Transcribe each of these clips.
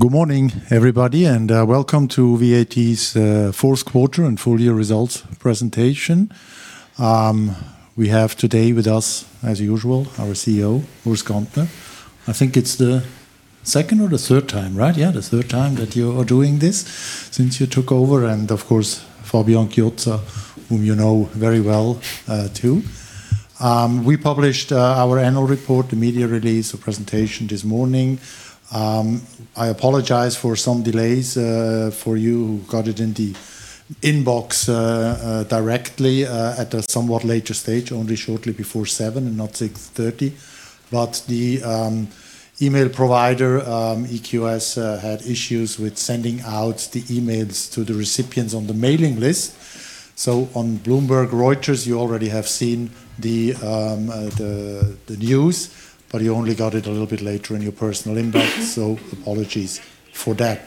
Good morning, everybody, welcome to VAT's Q4 and full year results presentation. We have today with us, as usual, our CEO, Urs Gantner. I think it's the second or the third time, right? Yeah, the third time that you are doing this since you took over. Of course, Fabian Chiozza, whom you know very well, too. We published our annual report, the media release, the presentation this morning. I apologize for some delays, for you who got it in the inbox directly at a somewhat later stage, only shortly before 7:00 and not 6:30. The email provider, EQS, had issues with sending out the emails to the recipients on the mailing list. On Bloomberg, Reuters, you already have seen the news, but you only got it a little bit later in your personal inbox, so apologies for that.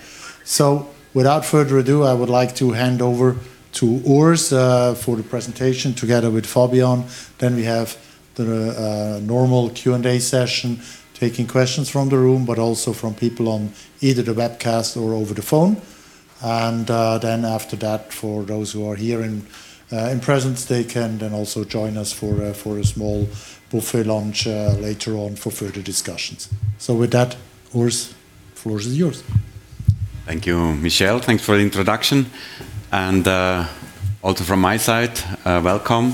Without further ado, I would like to hand over to Urs for the presentation together with Fabian. We have the normal Q&A session, taking questions from the room, but also from people on either the webcast or over the phone. After that, for those who are here in presence, they can also join us for a small buffet lunch later on for further discussions. With that, Urs, floor is yours. Thank you, Michel. Thanks for the introduction. Also from my side, welcome.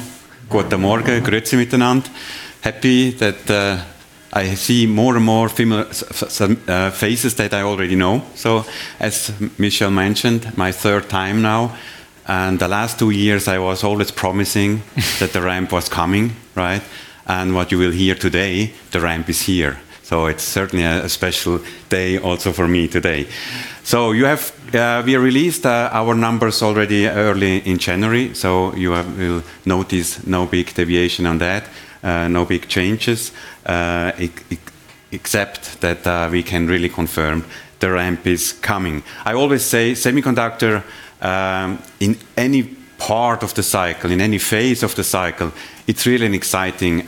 Happy that I see more and more faces that I already know. As Michel mentioned, my third time now, and the last two years, I was always promising that the ramp was coming, right? What you will hear today, the ramp is here. It's certainly a special day also for me today. We released our numbers already early in January, so you'll notice no big deviation on that, no big changes, except that we can really confirm the ramp is coming. I always say semiconductor, in any part of the cycle, in any phase of the cycle, it's really an exciting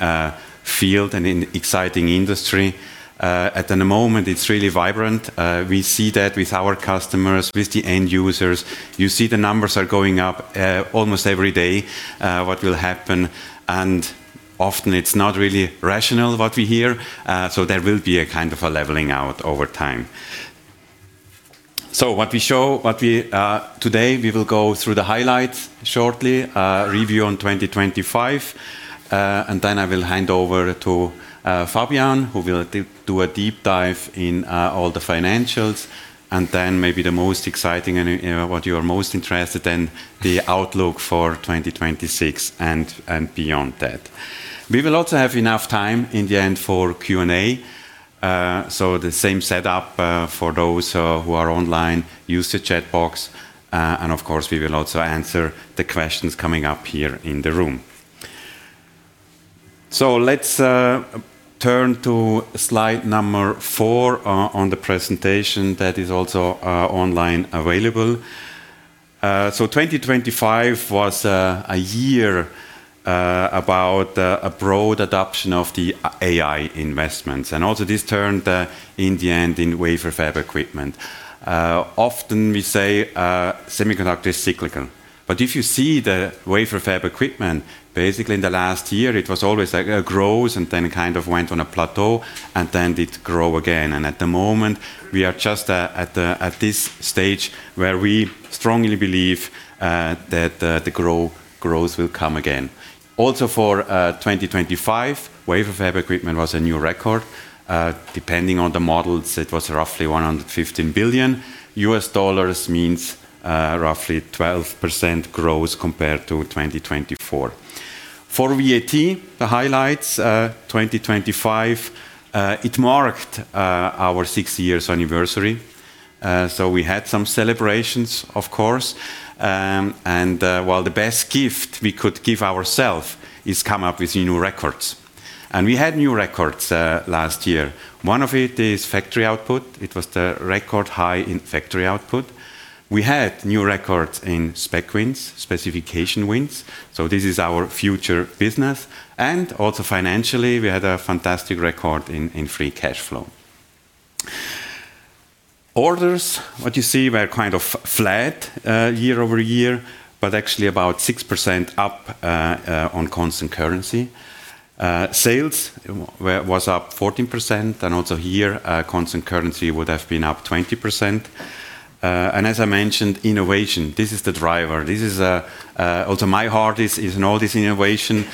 field and an exciting industry. At the moment, it's really vibrant. We see that with our customers, with the end users. You see the numbers are going up almost every day, what will happen. Often it's not really rational what we hear, so there will be a kind of a leveling out over time. What we show, what we, today, we will go through the highlights shortly, review on 2025, and then I will hand over to Fabian, who will do a deep dive in all the financials. Then maybe the most exciting and, you know, what you are most interested in, the outlook for 2026 and beyond that. We will also have enough time in the end for Q&A, so the same setup for those who are online, use the chat box. Of course, we will also answer the questions coming up here in the room. Let's turn to slide number four on the presentation that is also online available. 2025 was a year about a broad adoption of the AI investments, and also this turned in the end in wafer fab equipment. Often we say semiconductor is cyclical. If you see the wafer fab equipment, basically in the last year, it was always like a growth and then kind of went on a plateau, and then it grow again. At the moment, we are just at this stage where we strongly believe that the growth will come again. Also for 2025, wafer fab equipment was a new record. Depending on the models, it was roughly $115 billion. US dollars means roughly 12% growth compared to 2024. For VAT, the highlights, 2025, it marked our six-year anniversary, so we had some celebrations, of course. Well, the best gift we could give ourself is come up with new records. We had new records last year. One of it is factory output. It was the record high in factory output. We had new records in spec wins, specification wins, so this is our future business. Also financially, we had a fantastic record in free cash flow. Orders, what you see, were kind of flat year-over-year, actually about 6% up on constant currency. Sales was up 14%, also here, constant currency would have been up 20%. As I mentioned, innovation, this is the driver. This is also my heart is in all this innovation.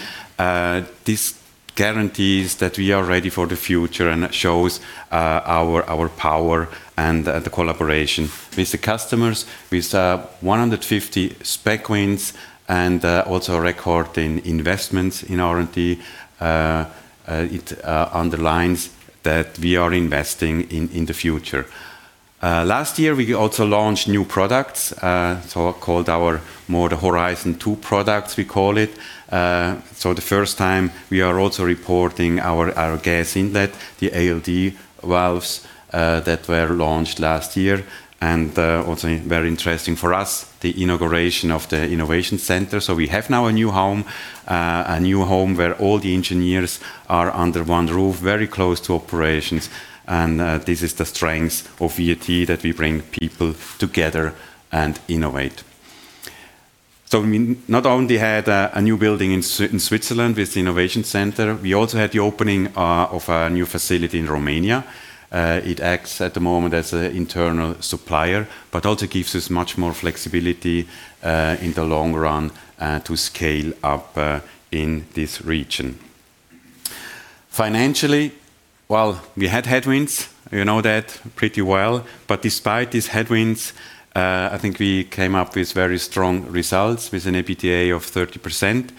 This guarantees that we are ready for the future and shows our power and the collaboration with the customers. With 150 spec wins and also a record in investments in R&D, it underlines that we are investing in the future. Last year, we also launched new products, so called our more the Horizon Two products we call it. The first time we are also reporting our gas inlet, the ALD valves, that were launched last year, and also very interesting for us, the inauguration of the innovation center. We have now a new home, a new home where all the engineers are under one roof, very close to operations, and this is the strength of VAT, that we bring people together and innovate. We not only had a new building in Switzerland with the innovation center, we also had the opening of a new facility in Romania. It acts at the moment as an internal supplier, but also gives us much more flexibility in the long run to scale up in this region. Financially, well, we had headwinds, you know that pretty well. Despite these headwinds, I think we came up with very strong results with an EBITDA of 30%.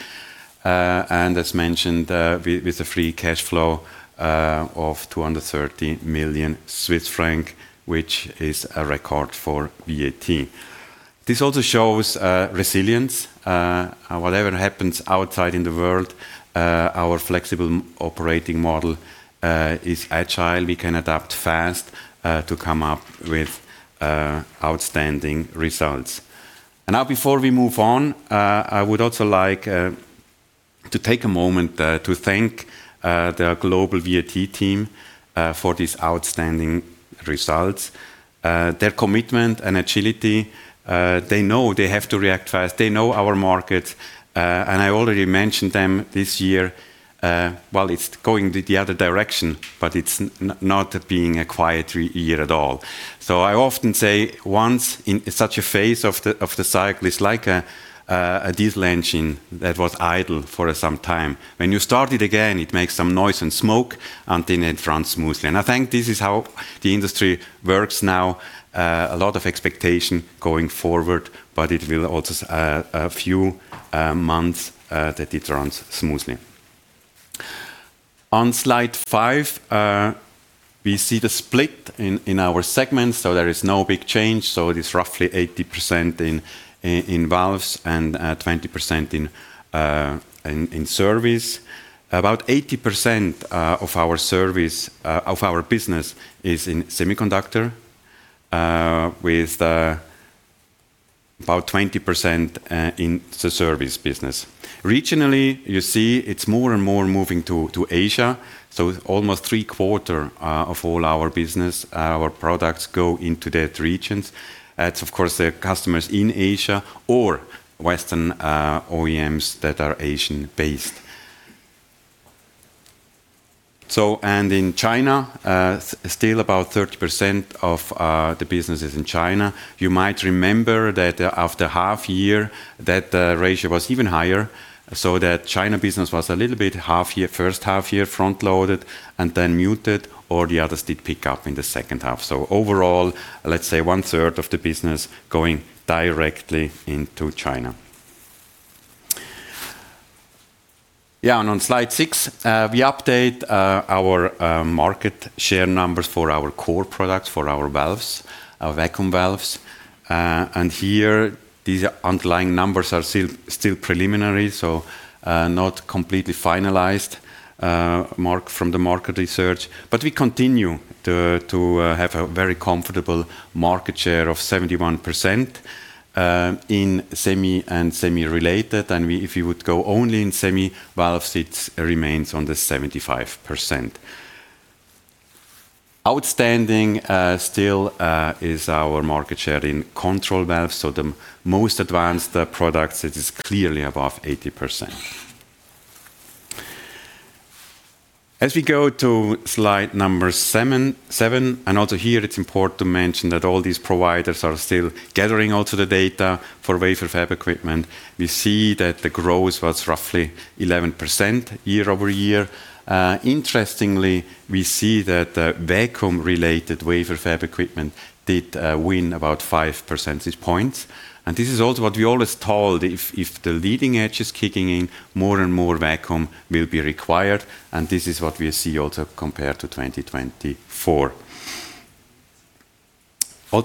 As mentioned, with a free cash flow of 230 million Swiss francs, which is a record for VAT. This also shows resilience. Whatever happens outside in the world, our flexible operating model is agile. We can adapt fast to come up with outstanding results. Before we move on, I would also like to take a moment to thank the global VAT team for these outstanding results. Their commitment and agility, they know they have to react fast. They know our markets, and I already mentioned them this year, while it's going the other direction, but it's not being a quiet year at all. I often say once in such a phase of the cycle, it's like a diesel engine that was idle for some time. When you start it again, it makes some noise and smoke until it runs smoothly. I think this is how the industry works now. A lot of expectation going forward, but it will also a few months that it runs smoothly. On slide five, we see the split in our segments, there is no big change. It is roughly 80% in valves and 20% in service. About 80% of our business is in semiconductor, with about 20% in the service business. Regionally, you see it's more and more moving to Asia, so almost three-quarter of all our business, our products go into that regions. That's of course the customers in Asia or Western OEMs that are Asian-based. In China, still about 30% of the business is in China. You might remember that after half year, that ratio was even higher, so that China business was a little bit half year, first half year front-loaded and then muted, or the others did pick up in the second half. Overall, let's say one-third of the business going directly into China. On slide six, we update our market share numbers for our core products, for our valves, our vacuum valves. Here these underlying numbers are still preliminary, not completely finalized from the market research. We continue to have a very comfortable market share of 71% in semi and semi-related. If you would go only in semi valves, it remains on the 75%. Outstanding is our market share in control valves, so the most advanced products, it is clearly above 80%. We go to slide number seven, also here it's important to mention that all these providers are still gathering all the data for wafer fab equipment. We see that the growth was roughly 11% year-over-year. Interestingly, we see that the vacuum-related wafer fab equipment did win about 5 percentage points. This is also what we always told, if the leading edge is kicking in, more and more vacuum will be required, and this is what we see also compared to 2024.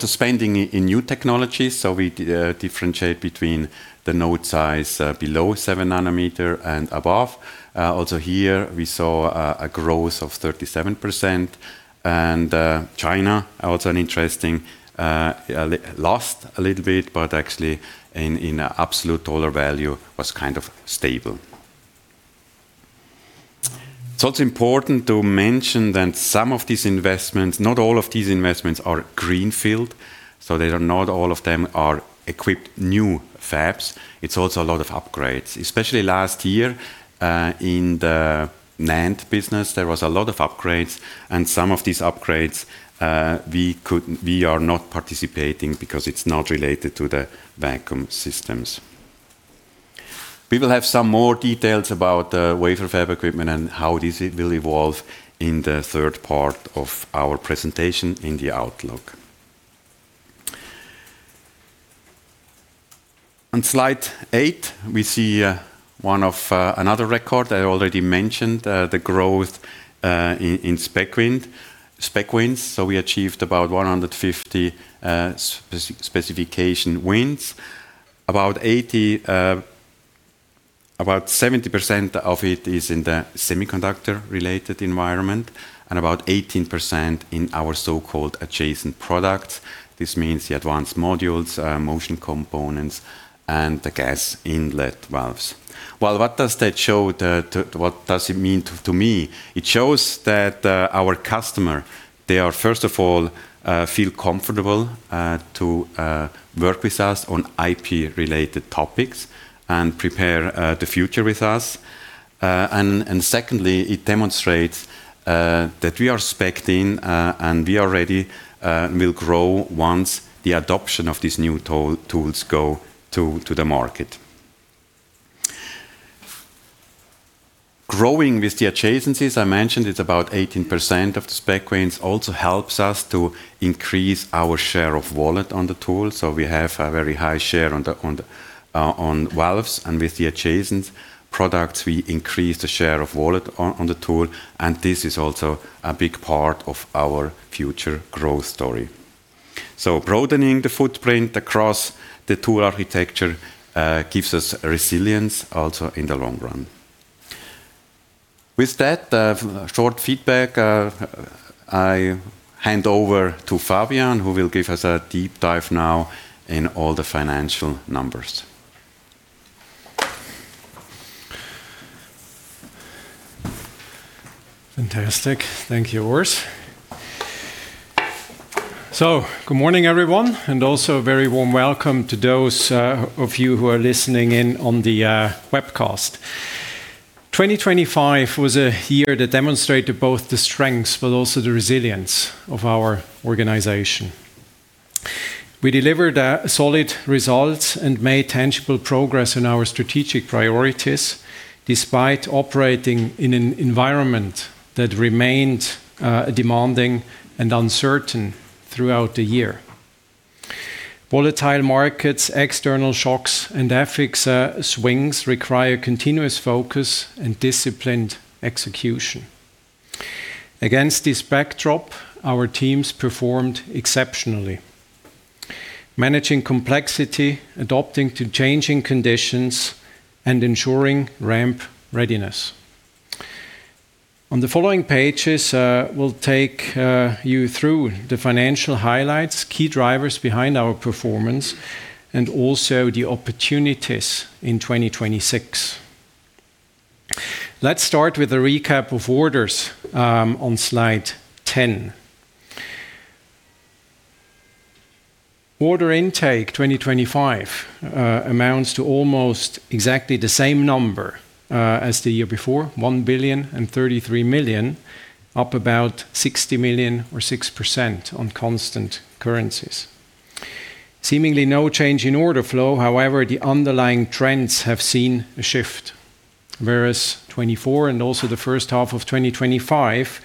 Spending in new technologies, so we differentiate between the node size, below 7 nanometer and above. Here we saw a growth of 37%. China, also an interesting, lost a little bit, but actually in absolute dollar value was kind of stable. It's also important to mention that some of these investments, not all of these investments are greenfield, so they are not all of them are equipped new fabs. It's also a lot of upgrades, especially last year, in the NAND business, there was a lot of upgrades. Some of these upgrades, we are not participating because it's not related to the vacuum systems. We will have some more details about the wafer fab equipment and how this will evolve in the third part of our presentation in the outlook. On slide eight, we see one of another record I already mentioned, the growth in spec wins. We achieved about 150 specification wins. About 80, about 70% of it is in the semiconductor-related environment and about 18% in our so-called adjacent products. This means the Advanced Modules, Motion Components, and the gas inlet valves. What does that show the, what does it mean to me? It shows that our customer, they are first of all, feel comfortable to work with us on IP-related topics and prepare the future with us. Secondly, it demonstrates that we are specked in and we are ready, we'll grow once the adoption of these new tools go to the market. Growing with the adjacencies I mentioned, it's about 18% of the spec wins also helps us to increase our share of wallet on the tool. We have a very high share on valves, and with the adjacent products, we increase the share of wallet on the tool, and this is also a big part of our future growth story. Broadening the footprint across the tool architecture gives us resilience also in the long run. With that, short feedback, I hand over to Fabian, who will give us a deep dive now in all the financial numbers. Fantastic. Thank you, Urs. Good morning, everyone, and also a very warm welcome to those of you who are listening in on the webcast. 2025 was a year that demonstrated both the strengths but also the resilience of our organization. We delivered solid results and made tangible progress in our strategic priorities despite operating in an environment that remained demanding and uncertain throughout the year. Volatile markets, external shocks, and FX swings require continuous focus and disciplined execution. Against this backdrop, our teams performed exceptionally, managing complexity, adapting to changing conditions, and ensuring ramp readiness. On the following pages, we'll take you through the financial highlights, key drivers behind our performance, and also the opportunities in 2026. Let's start with a recap of orders on slide 10. Order intake 2025 amounts to almost exactly the same number as the year before, 1,033 million, up about 60 million or 6% on constant currencies. Seemingly no change in order flow. The underlying trends have seen a shift. Whereas 2024 and also the first half of 2025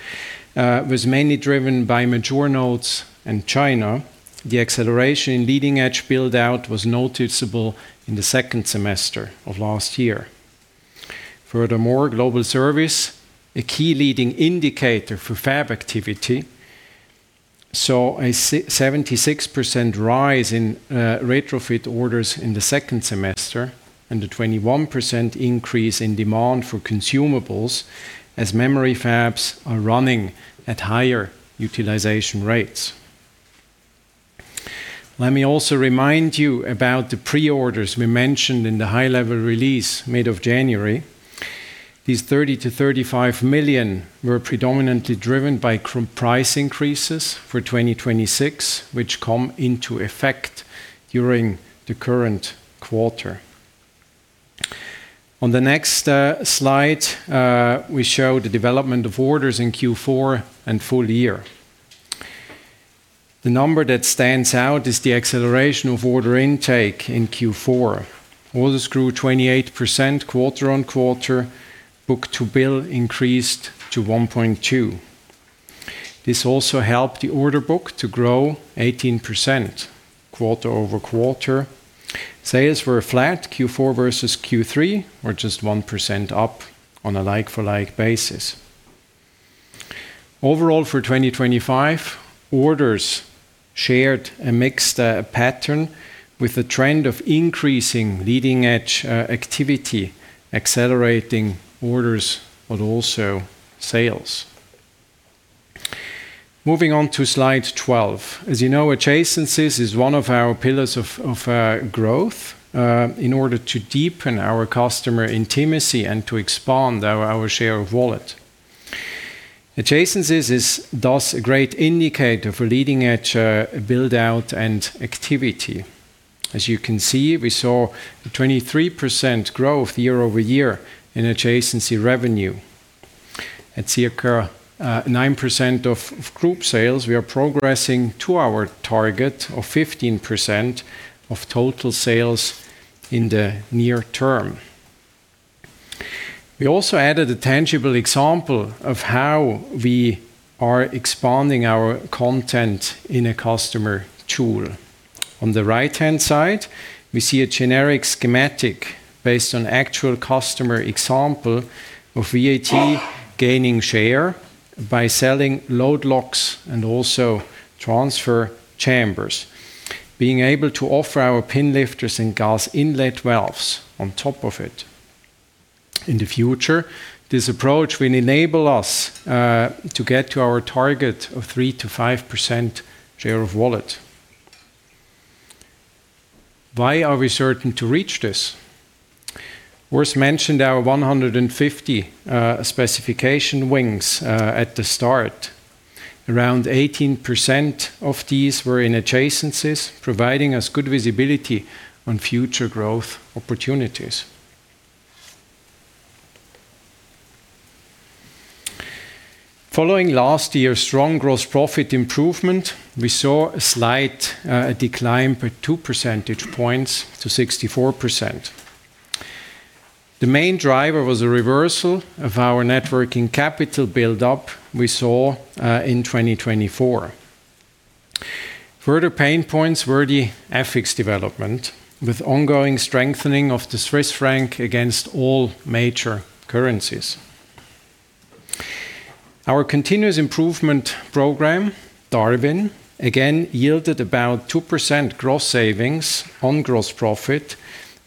was mainly driven by major nodes in China, the acceleration in leading-edge build-out was noticeable in the second semester of last year. Global service, a key leading indicator for fab activity, saw a 76% rise in retrofit orders in the second semester and a 21% increase in demand for consumables as memory fabs are running at higher utilization rates. Let me also remind you about the pre-orders we mentioned in the high-level release made of January. These 30 million to 35 million were predominantly driven by price increases for 2026, which come into effect during the current quarter. On the next slide, we show the development of orders in Q4 and full year. The number that stands out is the acceleration of order intake in Q4. Orders grew 28% quarter on quarter. Book-to-bill increased to 1.2. This also helped the order book to grow 18% quarter over quarter. Sales were flat Q4 versus Q3 or just 1% up on a like-for-like basis. Overall, for 2025, orders shared a mixed pattern with a trend of increasing leading-edge activity, accelerating orders but also sales. Moving on to slide 12. As you know, adjacencies is one of our pillars of growth in order to deepen our customer intimacy and to expand our share of wallet. Adjacencies is thus a great indicator for leading-edge build-out and activity. As you can see, we saw a 23% growth year-over-year in adjacency revenue. At circa 9% of group sales, we are progressing to our target of 15% of total sales in the near term. We also added a tangible example of how we are expanding our content in a customer tool. On the right-hand side, we see a generic schematic based on actual customer example of VAT gaining share by selling load locks and also transfer chambers, being able to offer our pin lifters and gas inlet valves on top of it. In the future, this approach will enable us to get to our target of 3%-5% share of wallet. Why are we certain to reach this? Urs mentioned our 150 specification wins at the start. Around 18% of these were in adjacencies, providing us good visibility on future growth opportunities. Following last year's strong gross profit improvement, we saw a slight decline by 2 percentage points to 64%. The main driver was a reversal of our networking capital buildup we saw in 2024. Further pain points were the FX development, with ongoing strengthening of the Swiss franc against all major currencies. Our continuous improvement program, Darwin, again yielded about 2% gross savings on gross profit,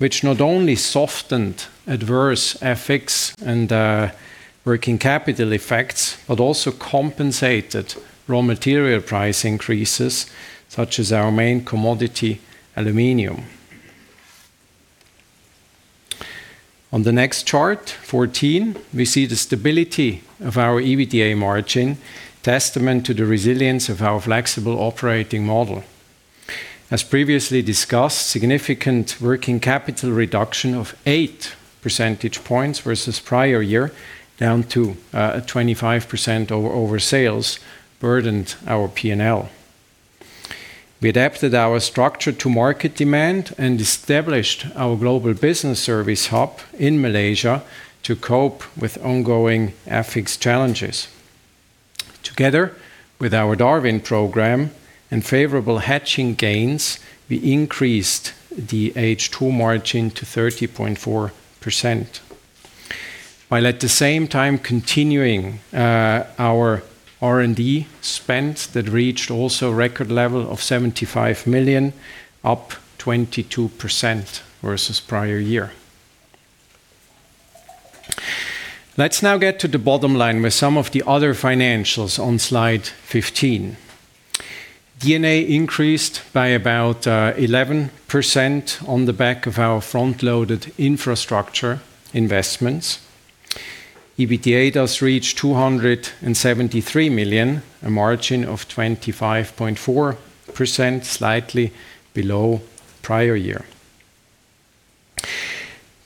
which not only softened adverse FX and working capital effects, but also compensated raw material price increases, such as our main commodity, aluminum. On the next chart, 14, we see the stability of our EBITDA margin, testament to the resilience of our flexible operating model. As previously discussed, significant working capital reduction of 8 percentage points versus prior year, down to 25% over sales, burdened our P&L. We adapted our structure to market demand and established our global business service hub in Malaysia to cope with ongoing FX challenges. Together with our Darwin program and favorable hedging gains, we increased the H2 margin to 30.4%, while at the same time continuing our R&D spend that reached also record level of 75 million, up 22% versus prior year. Let's now get to the bottom line with some of the other financials on slide 15. D&A increased by about 11% on the back of our front-loaded infrastructure investments. EBITDA does reach 273 million, a margin of 25.4%, slightly below prior year.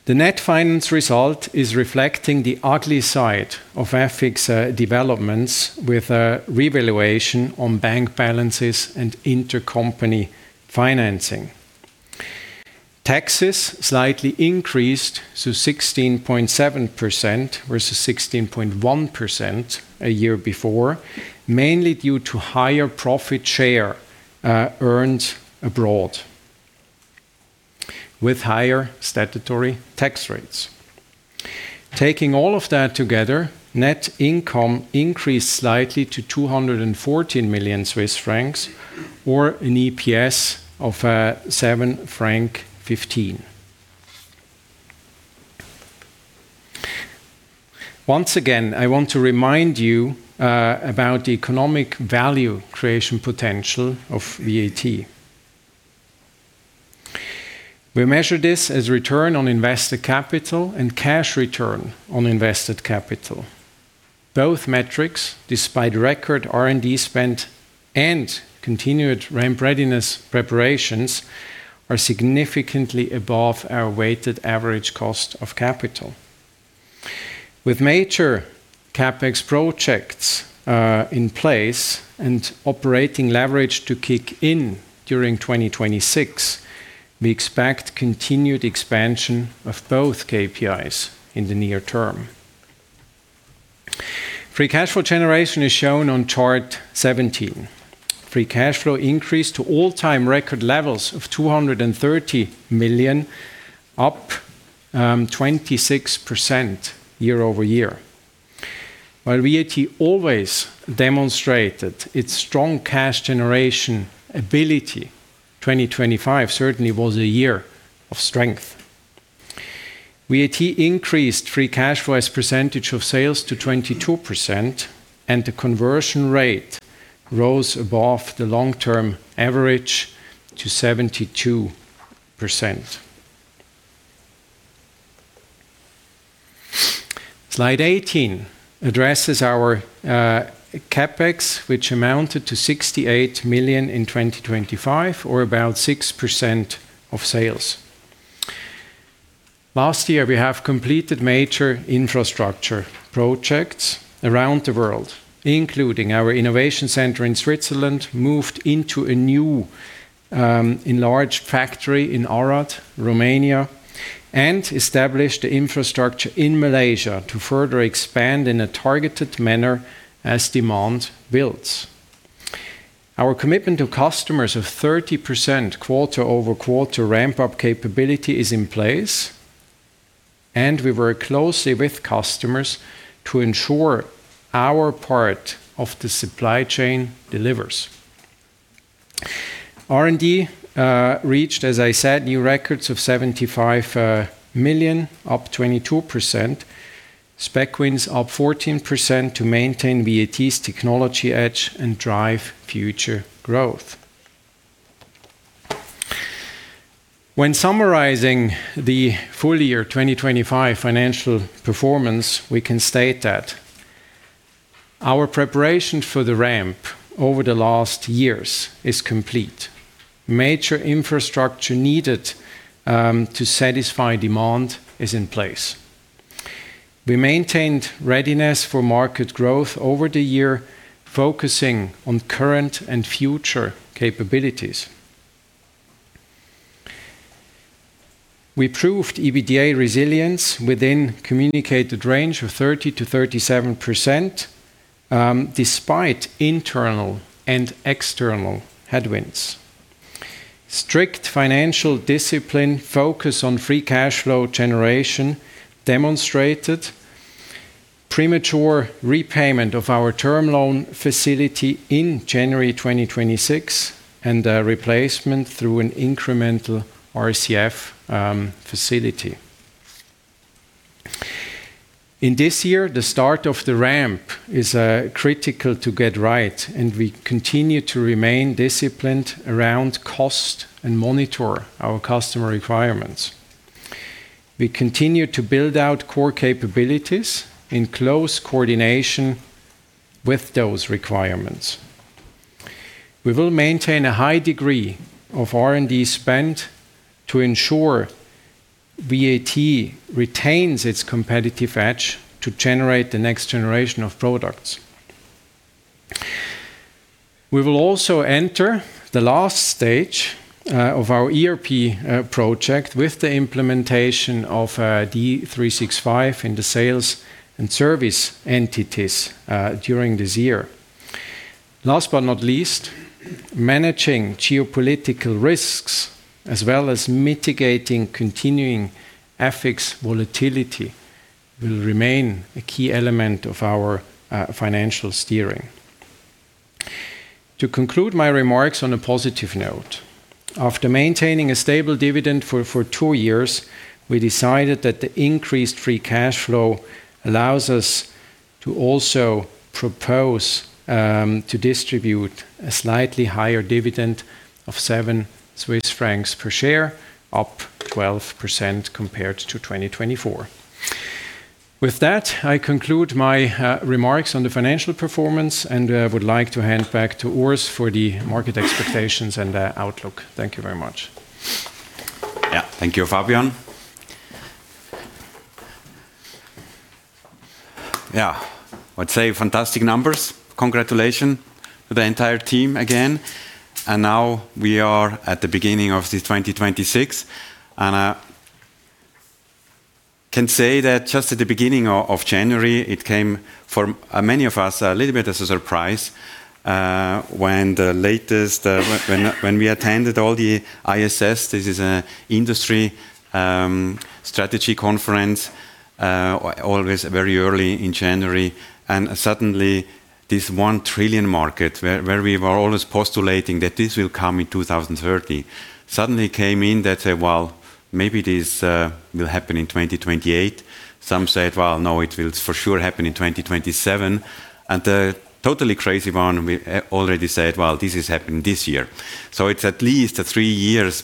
The net finance result is reflecting the ugly side of FX developments with a revaluation on bank balances and intercompany financing. Taxes slightly increased to 16.7% versus 16.1% a year before, mainly due to higher profit share earned abroad with higher statutory tax rates. Taking all of that together, net income increased slightly to 214 million Swiss francs or an EPS of 7.15 franc. Once again, I want to remind you about the economic value creation potential of VAT. We measure this as return on invested capital and cash return on invested capital. Both metrics, despite record R&D spend and continued ramp readiness preparations, are significantly above our weighted average cost of capital. With major CapEx projects in place and operating leverage to kick in during 2026, we expect continued expansion of both KPIs in the near term. Free cash flow generation is shown on chart 17. Free cash flow increased to all-time record levels of 230 million, up 26% year-over-year. While VAT always demonstrated its strong cash generation ability, 2025 certainly was a year of strength. VAT increased free cash flow as percentage of sales to 22%, and the conversion rate rose above the long-term average to 72%. Slide 18 addresses our CapEx, which amounted to 68 million in 2025 or about 6% of sales. Last year, we have completed major infrastructure projects around the world, including our innovation center in Switzerland, moved into a new, enlarged factory in Arad, Romania, and established infrastructure in Malaysia to further expand in a targeted manner as demand builds. Our commitment to customers of 30% quarter-over-quarter ramp-up capability is in place, and we work closely with customers to ensure our part of the supply chain delivers. R&D reached, as I said, new records of 75 million, up 22%. Spec wins up 14% to maintain VAT's technology edge and drive future growth. When summarizing the full year 2025 financial performance, we can state that our preparation for the ramp over the last years is complete. Major infrastructure needed to satisfy demand is in place. We maintained readiness for market growth over the year, focusing on current and future capabilities. We proved EBITDA resilience within communicated range of 30%-37%, despite internal and external headwinds. Strict financial discipline, focus on free cash flow generation demonstrated premature repayment of our term loan facility in January 2026, and replacement through an incremental RCF facility. In this year, the start of the ramp is critical to get right, and we continue to remain disciplined around cost and monitor our customer requirements. We continue to build out core capabilities in close coordination with those requirements. We will maintain a high degree of R&D spend to ensure VAT retains its competitive edge to generate the next generation of products. We will also enter the last stage of our ERP project with the implementation of Dynamics 365 in the sales and service entities during this year. Last but not least, managing geopolitical risks as well as mitigating continuing FX volatility will remain a key element of our financial steering. To conclude my remarks on a positive note, after maintaining a stable dividend for two years, we decided that the increased free cash flow allows us to also propose to distribute a slightly higher dividend of 7 Swiss francs per share, up 12% compared to 2024. With that, I conclude my remarks on the financial performance and would like to hand back to Urs for the market expectations and outlook. Thank you very much. Yeah. Thank you, Fabian. Yeah. I'd say fantastic numbers. Congratulations to the entire team again. Now we are at the beginning of this 2026, and I can say that just at the beginning of January, it came for many of us a little bit as a surprise when the latest, when we attended all the ISS. This is an industry strategy conference always very early in January. Suddenly this 1 trillion market where we were always postulating that this will come in 2030, suddenly came in that said, "Well, maybe this will happen in 2028." Some said, "Well, no, it will for sure happen in 2027." The totally crazy one we already said, "Well, this is happening this year." It's at least a three years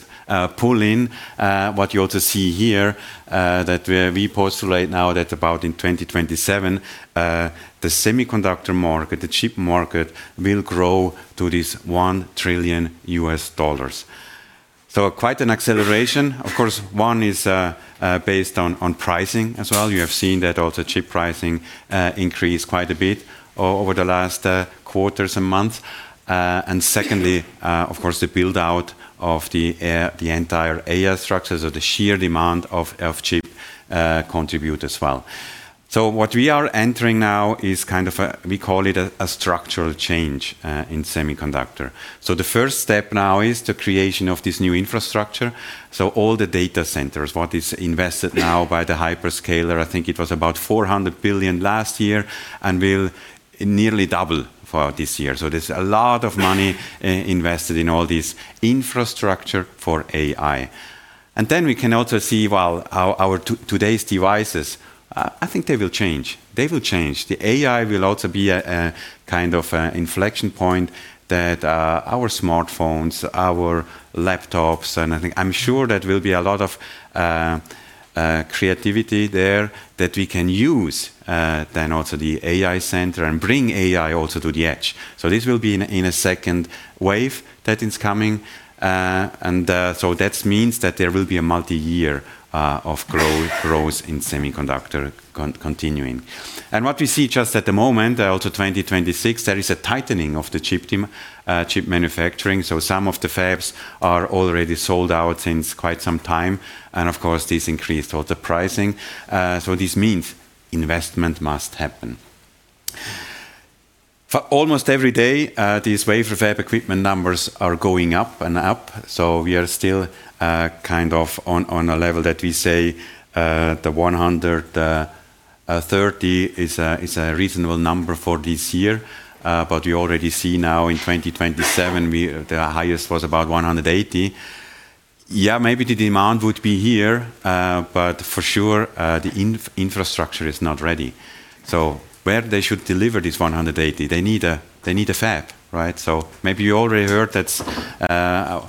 pull in, what you also see here, that we postulate now that about in 2027, the semiconductor market, the chip market will grow to this $1 trillion. Quite an acceleration. Of course, one is based on pricing as well. You have seen that also chip pricing increase quite a bit over the last quarters and months. Secondly, of course, the build-out of the entire AI structures or the sheer demand of chip contribute as well. What we are entering now is kind of we call it a structural change in semiconductor. The first step now is the creation of this new infrastructure. All the data centers, what is invested now by the hyperscaler, I think it was about $400 billion last year and will nearly double for this year. There's a lot of money, invested in all this infrastructure for AI. Then we can also see, well, our today's devices, I think they will change. They will change. The AI will also be a kind of an inflection point that our smartphones, our laptops, I'm sure there will be a lot of creativity there that we can use then also the AI center and bring AI also to the edge. This will be in a second wave that is coming. That means that there will be a multiyear of growth in semiconductor continuing. What we see just at the moment also 2026, there is a tightening of the chip manufacturing. Some of the fabs are already sold out since quite some time, and of course, this increased all the pricing. This means investment must happen. For almost every day, these wafer fab equipment numbers are going up and up, we are still kind of on a level that we say, $130 billion is a reasonable number for this year. We already see now in 2027 the highest was about $180 billion. Maybe the demand would be here, for sure, the infrastructure is not ready. Where they should deliver this $180 billion, they need a fab, right? Maybe you already heard that's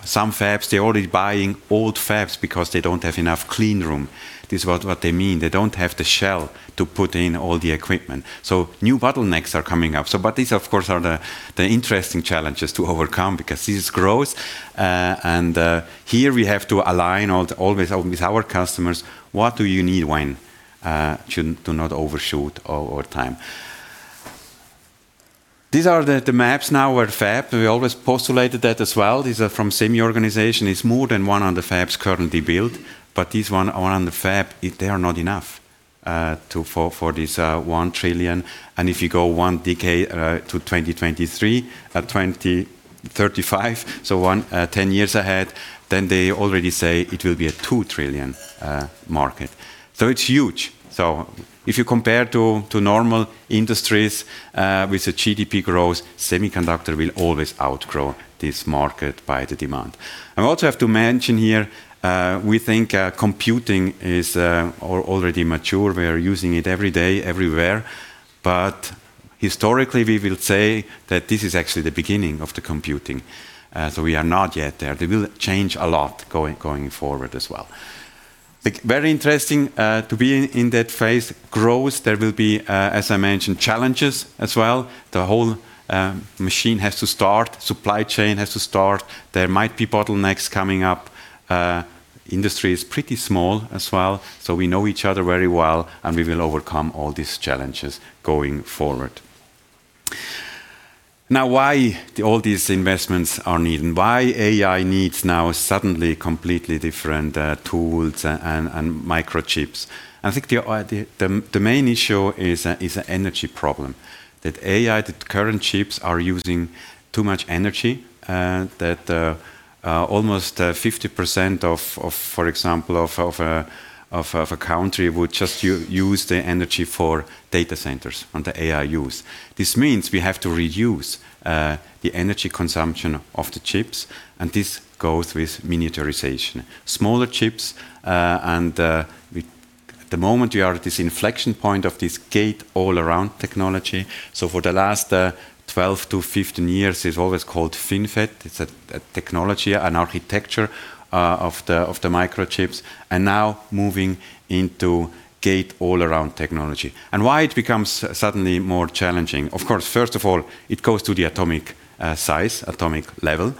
some fabs, they're already buying old fabs because they don't have enough clean room. This is what they mean. They don't have the shell to put in all the equipment. New bottlenecks are coming up. But these of course are the interesting challenges to overcome because this is growth, and here we have to align always with our customers what do you need when, to not overshoot over time. These are the maps now with fab. We always postulated that as well. These are from SEMI organization. It's more than 100 fabs currently built, but these 100 fab, they are not enough for this $1 trillion. If you go one decade to 2023, 2035, so 10 years ahead, then they already say it will be a $2 trillion market. It's huge. If you compare to normal industries with the GDP growth, semiconductor will always outgrow this market by the demand. I also have to mention here, we think computing is already mature. We are using it every day, everywhere. Historically, we will say that this is actually the beginning of the computing. We are not yet there. They will change a lot going forward as well. Very interesting to be in that phase growth. There will be, as I mentioned, challenges as well. The whole machine has to start, supply chain has to start. There might be bottlenecks coming up. Industry is pretty small as well, so we know each other very well, and we will overcome all these challenges going forward. Why all these investments are needed, and why AI needs now suddenly completely different tools and microchips? I think the main issue is an energy problem, that AI, the current chips are using too much energy, that almost 50% of, for example, of a country would just use the energy for data centers and the AI use. This means we have to reduce the energy consumption of the chips, and this goes with miniaturization. Smaller chips, and at the moment we are at this inflection point of this gate-all-around technology. For the last 12 to 15 years, it's always called FinFET. It's a technology and architecture of the microchips, and now moving into gate-all-around technology. Why it becomes suddenly more challenging? Of course, first of all, it goes to the atomic size, atomic level.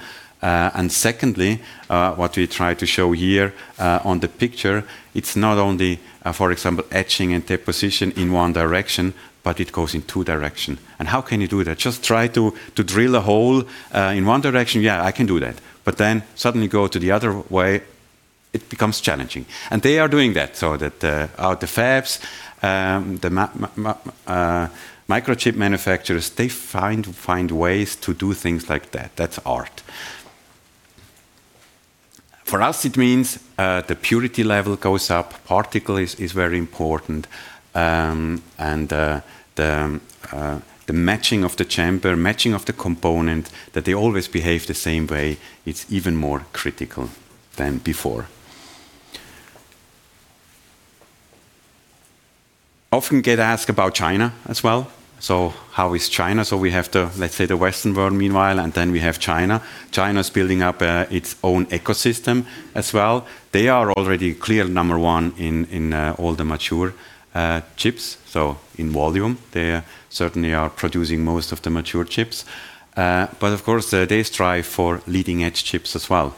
Secondly, what we try to show here on the picture, it's not only for example, etching and deposition in one direction, but it goes in two direction. How can you do that? Just try to drill a hole in one direction. Yeah, I can do that. Then suddenly go to the other way, it becomes challenging. They are doing that, so that the fabs, microchip manufacturers, they find ways to do things like that. That's art. For us, it means the purity level goes up, particle is very important, the matching of the chamber, matching of the component, that they always behave the same way, it's even more critical than before. Often get asked about China as well. How is China? We have the, let's say, the Western world meanwhile, and then we have China. China's building up its own ecosystem as well. They are already clear number 1 in all the mature chips. In volume, they certainly are producing most of the mature chips. Of course, they strive for leading-edge chips as well.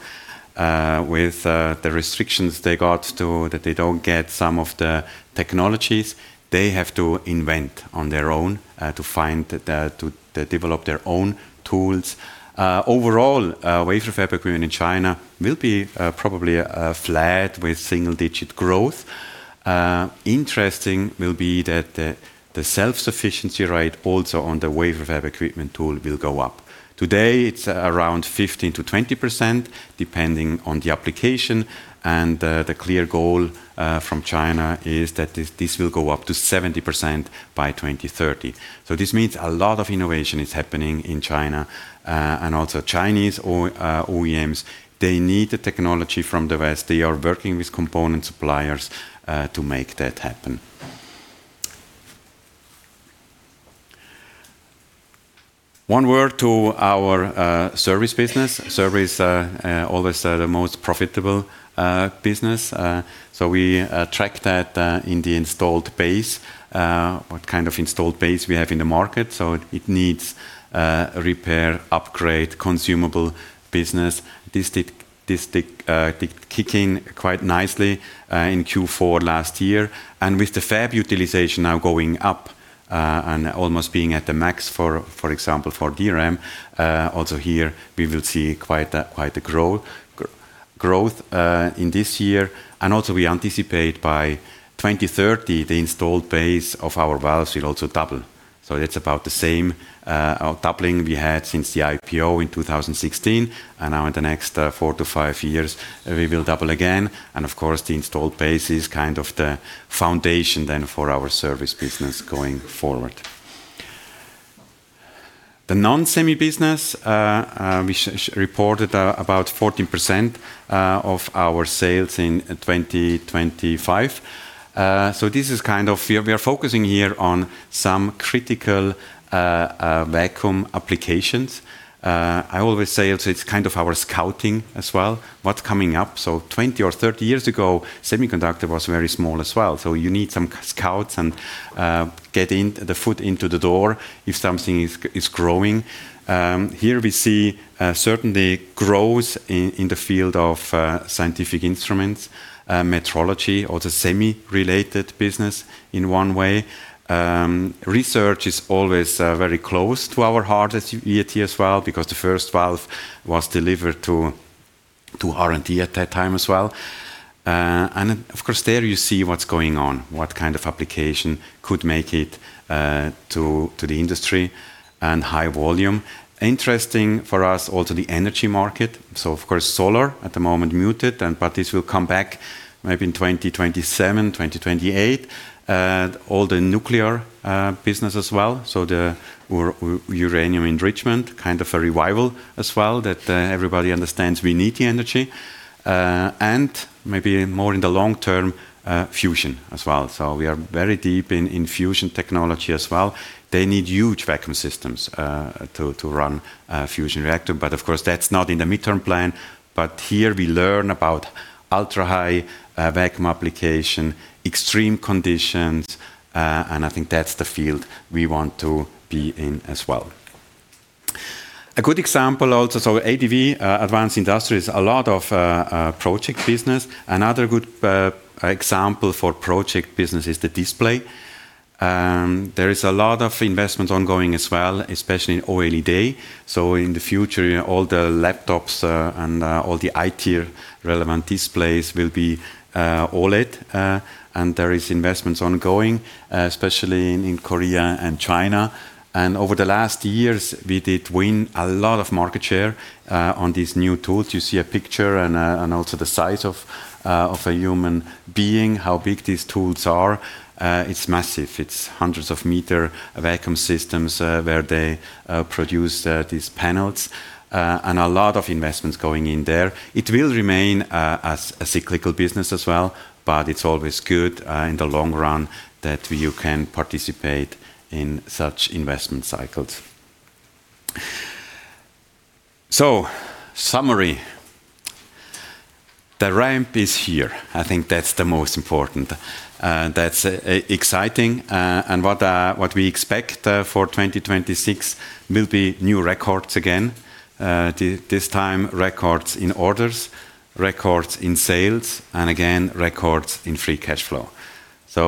With the restrictions they got to, that they don't get some of the technologies, they have to invent on their own, to find to develop their own tools. Wafer fab equipment in China will be probably flat with single-digit growth. Interesting will be that the self-sufficiency rate also on the wafer fab equipment tool will go up. Today, it's around 15%-20%, depending on the application, and the clear goal from China is that this will go up to 70% by 2030. This means a lot of innovation is happening in China, and also Chinese OEMs, they need the technology from the West. They are working with component suppliers to make that happen. One word to our service business. Service always the most profitable business. We track that in the installed base, what kind of installed base we have in the market. It needs repair, upgrade, consumable business. This did kick in quite nicely in Q4 last year. With the fab utilization now going up, and almost being at the max, for example, for DRAM, also here we will see quite a, quite a growth in this year. We anticipate by 2030, the installed base of our valves will also double. That's about the same doubling we had since the IPO in 2016. In the next four to five years, we will double again. The installed base is kind of the foundation then for our service business going forward. The non-semi business we reported about 14% of our sales in 2025. This is kind of, We are focusing here on some critical vacuum applications. I always say it's kind of our scouting as well, what's coming up. 20 or 30 years ago, semiconductor was very small as well. You need some scouts and get the foot into the door if something is growing. Here we see certainly growth in the field of scientific instruments, metrology or the semi-related business in one way. Research is always very close to our heart at VAT as well because the first valve was delivered to R&D at that time as well. Of course, there you see what's going on, what kind of application could make it to the industry and high volume. Interesting for us also the energy market, of course, solar at the moment muted but this will come back maybe in 2027, 2028. All the nuclear business as well, so the uranium enrichment kind of a revival as well that everybody understands we need the energy, and maybe more in the long term, fusion as well. We are very deep in fusion technology as well. They need huge vacuum systems to run a fusion reactor, but of course, that's not in the midterm plan. Here we learn about ultra-high vacuum application, extreme conditions, and I think that's the field we want to be in as well. A good example also. ADV, Advanced Industries, a lot of project business. Another good example for project business is the display. There is a lot of investments ongoing as well, especially in OLED. In the future, all the laptops and all the IT relevant displays will be OLED, and there is investments ongoing, especially in Korea and China. Over the last years, we did win a lot of market share on these new tools. You see a picture and also the size of a human being, how big these tools are. It's massive. It's hundreds of meter vacuum systems where they produce these panels, and a lot of investments going in there. It will remain as a cyclical business as well, but it's always good in the long run that you can participate in such investment cycles. Summary. The ramp is here. I think that's the most important. That's exciting, and what we expect for 2026 will be new records again, this time records in orders, records in sales, and again, records in free cash flow.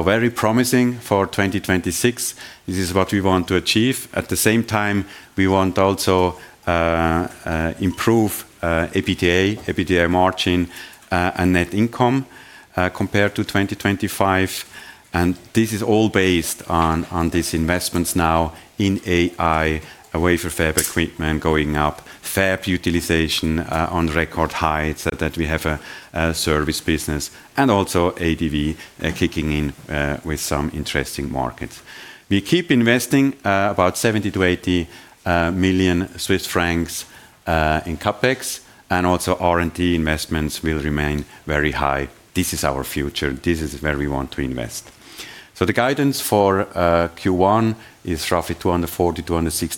Very promising for 2026. This is what we want to achieve. At the same time, we want also improve EBITDA margin, and net income compared to 2025, and this is all based on these investments now in AI, wafer fab equipment going up, fab utilization on record heights, that we have a service business, and also ADV kicking in with some interesting markets. We keep investing about 70 million-80 million Swiss francs in CapEx, and also R&D investments will remain very high. This is our future. This is where we want to invest. The guidance for Q1 is roughly 240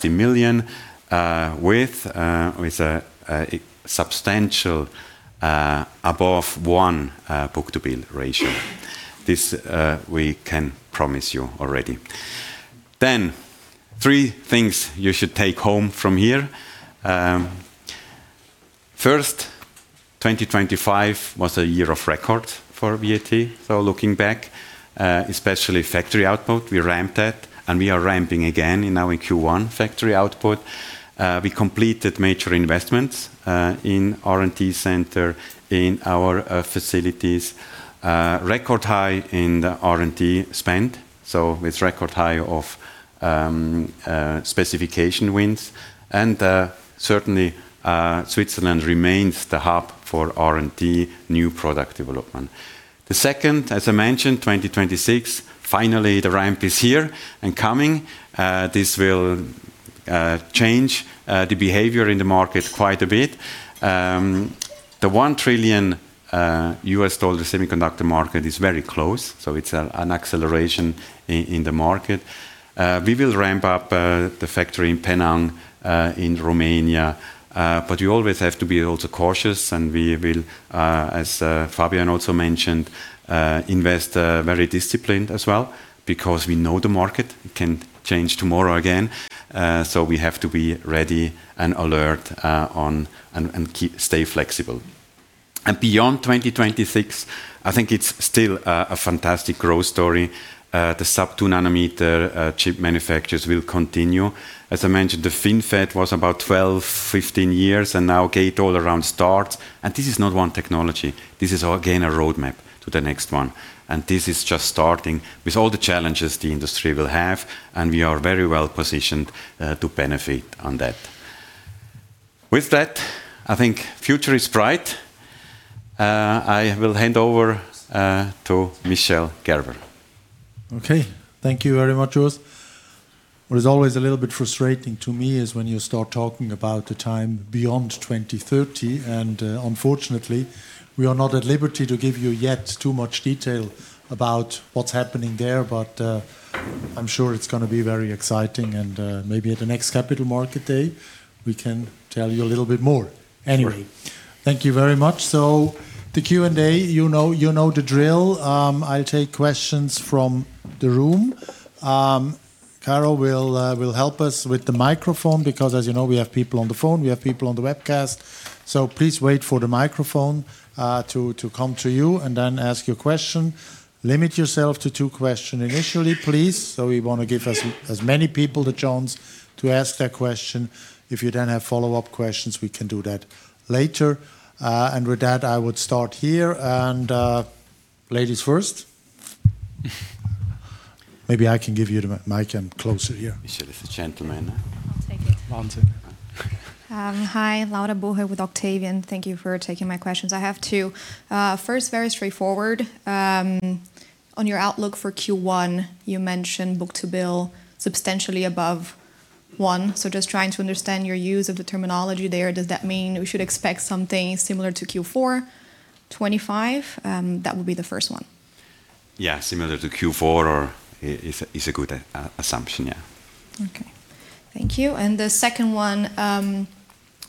million-260 million with a substantial above 1 book-to-bill ratio. This we can promise you already. 3 things you should take home from here. First, 2025 was a year of record for VAT. Looking back, especially factory output, we ramped that, and we are ramping again now in Q1 factory output. We completed major investments in R&D center, in our facilities, record high in the R&D spend, so with record high of specification wins. Certainly, Switzerland remains the hub for R&D new product development. Second, as I mentioned, 2026, finally the ramp is here and coming. This will change the behavior in the market quite a bit. The $1 trillion semiconductor market is very close. It's an acceleration in the market. We will ramp up the factory in Penang, in Romania. You always have to be also cautious, and we will, as Fabian also mentioned, invest very disciplined as well because we know the market. It can change tomorrow again. We have to be ready and alert and stay flexible. Beyond 2026, I think it's still a fantastic growth story. The sub 2 nanometer chip manufacturers will continue. As I mentioned, the FinFET was about 12, 15 years. Now Gate-all-around starts. This is not one technology. This is, again, a roadmap to the next one. This is just starting with all the challenges the industry will have, and we are very well-positioned to benefit on that. With that, I think future is bright. I will hand over to Michel Gerber. Okay. Thank you very much, Urs. What is always a little bit frustrating to me is when you start talking about the time beyond 2030, and, unfortunately, we are not at liberty to give you yet too much detail about what's happening there. I'm sure it's gonna be very exciting and, maybe at the next Capital Market Day, we can tell you a little bit more. Sure. Thank you very much. The Q&A, you know, you know the drill. I'll take questions from the room. Carol will help us with the microphone because as you know, we have people on the phone, we have people on the webcast. Please wait for the microphone to come to you and then ask your question. Limit yourself to two question initially, please. We wanna give as many people the chance to ask their question. If you then have follow-up questions, we can do that later. With that, I would start here and ladies first. Maybe I can give you the mic. I'm closer here. Michel, it's a gentleman. I'll take it. Laura take it. Hi. Laura Brauhart with Octavian. Thank you for taking my questions. I have two. First, very straightforward. On your outlook for Q1, you mentioned book-to-bill substantially above one. Just trying to understand your use of the terminology there. Does that mean we should expect something similar to Q4 2025? That would be the first one. Yeah. Similar to Q4 or is a good assumption, yeah. Okay. Thank you. The second one,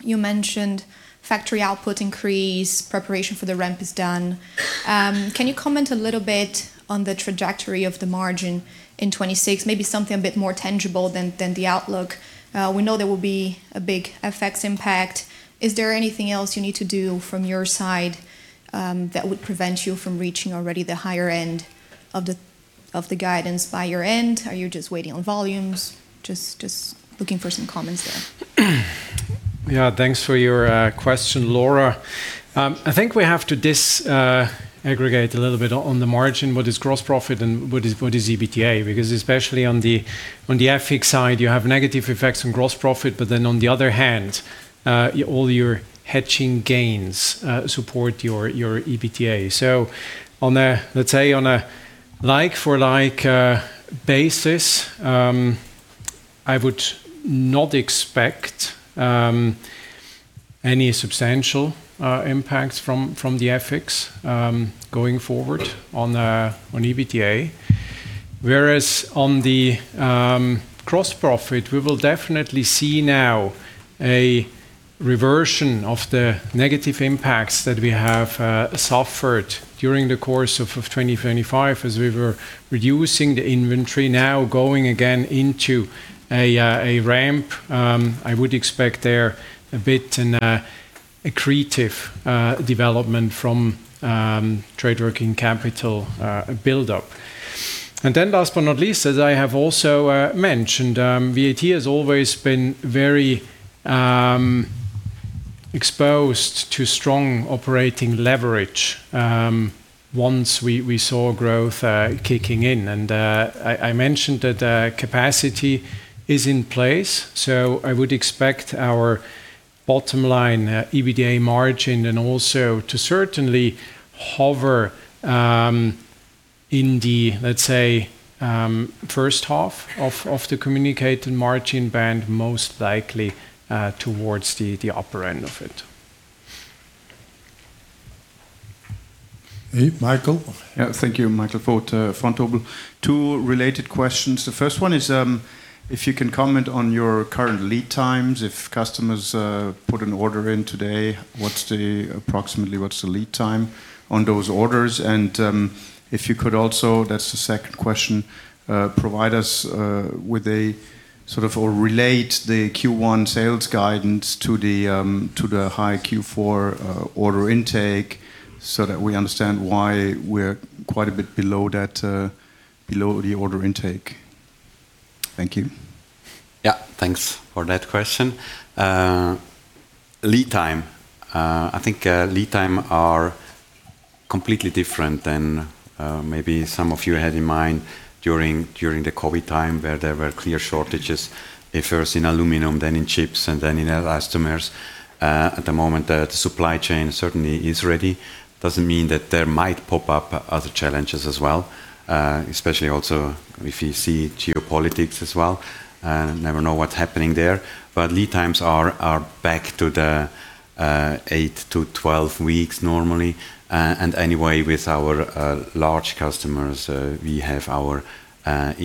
you mentioned factory output increase, preparation for the ramp is done. Can you comment a little bit on the trajectory of the margin in 2026? Maybe something a bit more tangible than the outlook. We know there will be a big effects impact. Is there anything else you need to do from your side that would prevent you from reaching already the higher end of the guidance by your end? Are you just waiting on volumes? Just looking for some comments there. Thanks for your question, Laura. I think we have to disaggregate a little bit on the margin what is gross profit and what is EBITDA. Especially on the FX side, you have negative effects on gross profit, on the other hand, all your hedging gains support your EBITDA. On a, let's say, on a like-for-like basis, I would not expect any substantial impacts from the FX going forward on EBITDA. On the gross profit, we will definitely see now a reversion of the negative impacts that we have suffered during the course of 2025 as we were reducing the inventory now going again into a ramp. I would expect there a bit in a accretive development from trade working capital build-up. Last but not least, as I have also mentioned, VAT has always been very exposed to strong operating leverage once we saw growth kicking in. I mentioned that capacity is in place, so I would expect our bottom line EBITDA margin and also to certainly hover in the, let's say, first half of the communicated margin band, most likely towards the upper end of it. Okay. Michael? Yeah. Thank you. Michael Foeth, Vontobel. Two related questions. The first one is, if you can comment on your current lead times, if customers put an order in today, approximately what's the lead time on those orders? If you could also, that's the second question, provide us or relate the Q1 sales guidance to the high Q4 order intake so that we understand why we're quite a bit below that below the order intake. Thank you. Thanks for that question. Lead time. I think lead time are completely different than maybe some of you had in mind during the COVID time where there were clear shortages, at first in aluminum, then in chips, and then in elastomers. At the moment, the supply chain certainly is ready. Doesn't mean that there might pop up other challenges as well, especially also if you see geopolitics as well. Never know what's happening there. Lead times are back to the eight to 12 weeks normally. Anyway, with our large customers, we have our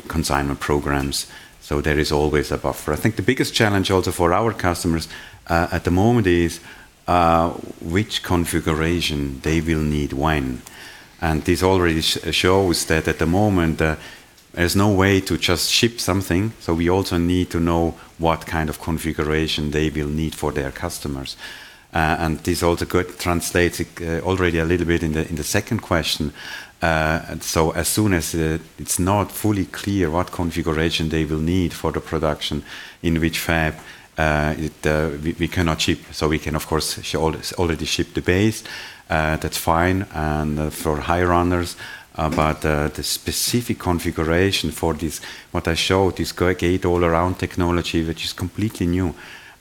consignment programs, so there is always a buffer. I think the biggest challenge also for our customers at the moment is which configuration they will need when. This already shows that at the moment, there's no way to just ship something, so we also need to know what kind of configuration they will need for their customers. This also got translated, already a little bit in the, in the second question. As soon as it's not fully clear what configuration they will need for the production in which fab, we cannot ship. We can of course already ship the base, that's fine, and for higher runners. The specific configuration for this, what I showed, this gate-all-around technology, which is completely new,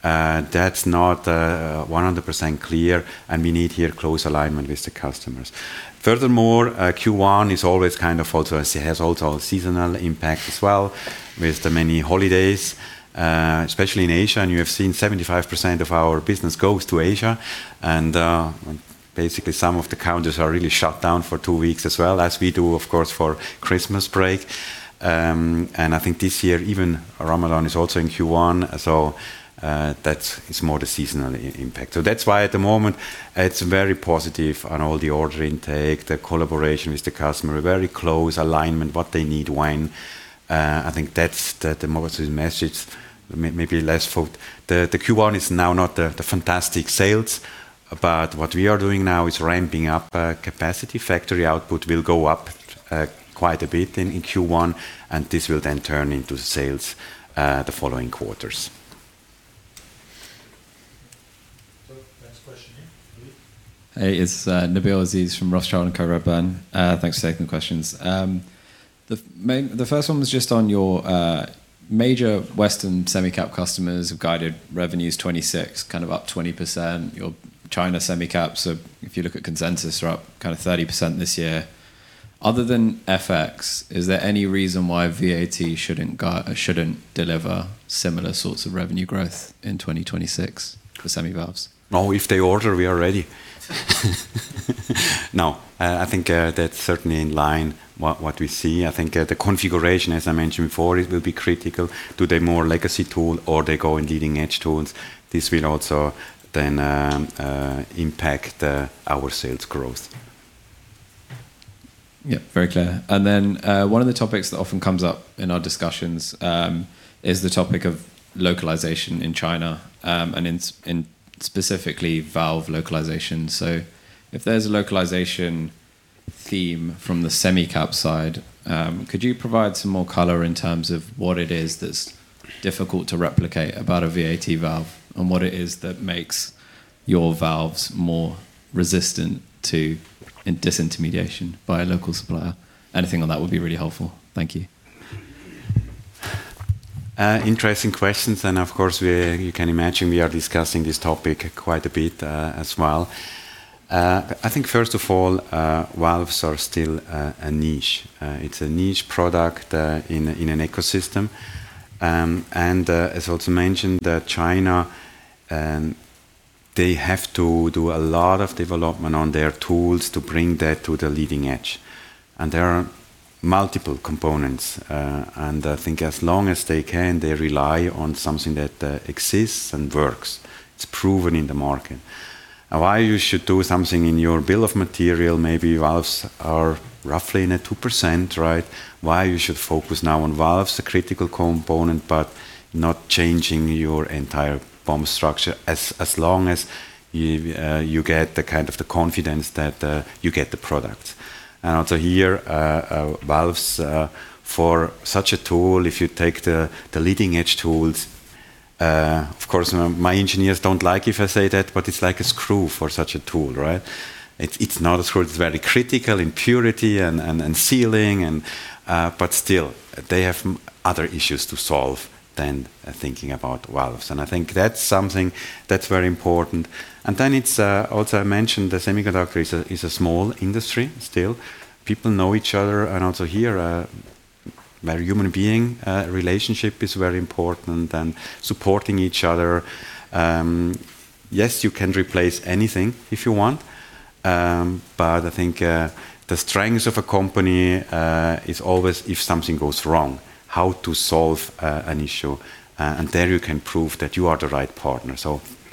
that's not 100% clear, and we need here close alignment with the customers. Furthermore, Q1 is always. It has also a seasonal impact as well with the many holidays, especially in Asia, and you have seen 75% of our business goes to Asia, and basically some of the counties are really shut down for two weeks as well, as we do of course for Christmas break. I think this year even Ramadan is also in Q1, that is more the seasonal impact. That's why at the moment it's very positive on all the order intake, the collaboration with the customer, a very close alignment, what they need when. I think that's the most message. Maybe less for... The Q1 is now not the fantastic sales, but what we are doing now is ramping up capacity. Factory output will go up quite a bit in Q1, this will then turn into sales the following quarters. Next question here. It's Nabil Ayaz from Rothschild & Co. Redburn. Thanks for taking the questions. The first one was just on your major Western semi cap customers who've guided revenues 2026, kind of up 20%. Your China semi caps are, if you look at consensus, are up kind of 30% this year. Other than FX, is there any reason why VAT shouldn't deliver similar sorts of revenue growth in 2026 for semi valves? No, if they order, we are ready. I think, that's certainly in line what we see. I think, the configuration, as I mentioned before, it will be critical. Do they more legacy tool or they go in leading-edge tools? This will also then impact our sales growth. Yeah. Very clear. One of the topics that often comes up in our discussions, is the topic of localization in China, and specifically valve localization. If there's a localization theme from the semi-cap side, could you provide some more color in terms of what it is that's difficult to replicate about a VAT valve and what it is that makes your valves more resistant to disintermediation by a local supplier? Anything on that would be really helpful. Thank you. Interesting questions, of course you can imagine we are discussing this topic quite a bit as well. I think first of all, valves are still a niche. It's a niche product in an ecosystem. As also mentioned that China, they have to do a lot of development on their tools to bring that to the leading edge, and there are multiple components. I think as long as they can, they rely on something that exists and works. It's proven in the market. Why you should do something in your bill of material, maybe valves are roughly in a 2%, right? Why you should focus now on valves, the critical component, but not changing your entire BOM structure as long as you get the kind of the confidence that you get the product. Also here, valves for such a tool, if you take the leading-edge tools, of course my engineers don't like if I say that, but it's like a screw for such a tool, right? It's not a screw. It's very critical in purity and sealing, but still, they have other issues to solve than thinking about valves, and I think that's something that's very important. Then it's also I mentioned the semiconductor is a small industry still. People know each other. Also here, where human being relationship is very important and supporting each other. Yes, you can replace anything if you want, but I think the strengths of a company is always if something goes wrong, how to solve an issue, and there you can prove that you are the right partner.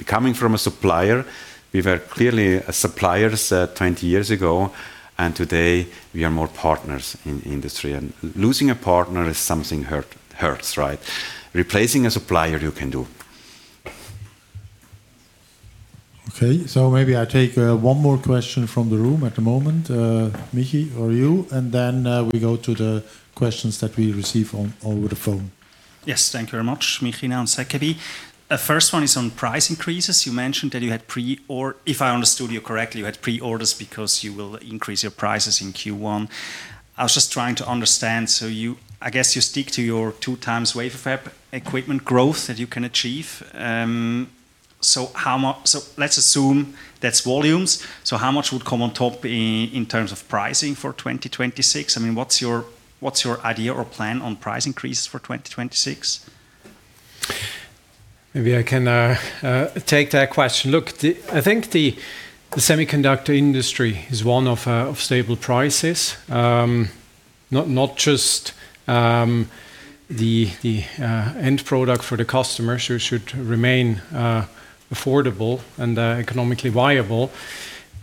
Coming from a supplier, we were clearly suppliers, 20 years ago, and today we are more partners in industry, and losing a partner is something hurts, right? Replacing a supplier, you can do. Maybe I take 1 more question from the room at the moment, Micke or you, and then we go to the questions that we receive on over the phone. Yes. Thank you very much. Micke Nyström, SEB. First one is on price increases. You mentioned that you had if I understood you correctly, you had pre-orders because you will increase your prices in Q1. I was just trying to understand. I guess you stick to your two times wafer fab equipment growth that you can achieve. Let's assume that's volumes. How much would come on top in terms of pricing for 2026? I mean, what's your, what's your idea or plan on price increases for 2026? Maybe I can take that question. Look, I think the semiconductor industry is one of stable prices. Not just the end product for the customer should remain affordable and economically viable.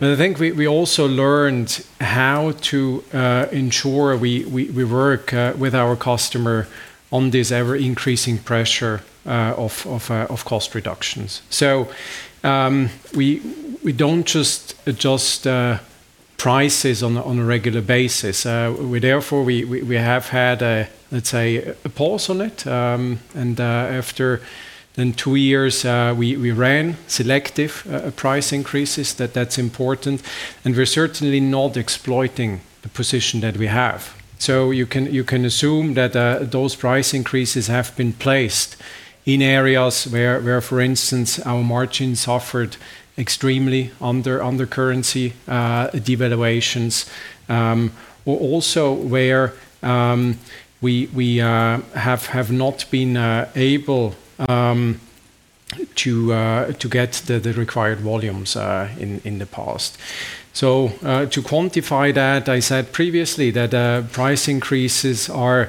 I think we also learned how to ensure we work with our customer on this ever-increasing pressure of cost reductions. We don't just adjust- Prices on a regular basis. We therefore have had a, let's say, a pause on it. After two years, we ran selective price increases. That's important, we're certainly not exploiting the position that we have. You can assume that those price increases have been placed in areas where, for instance, our margins suffered extremely under currency devaluations, or also where we have not been able to get the required volumes in the past. To quantify that, I said previously that price increases are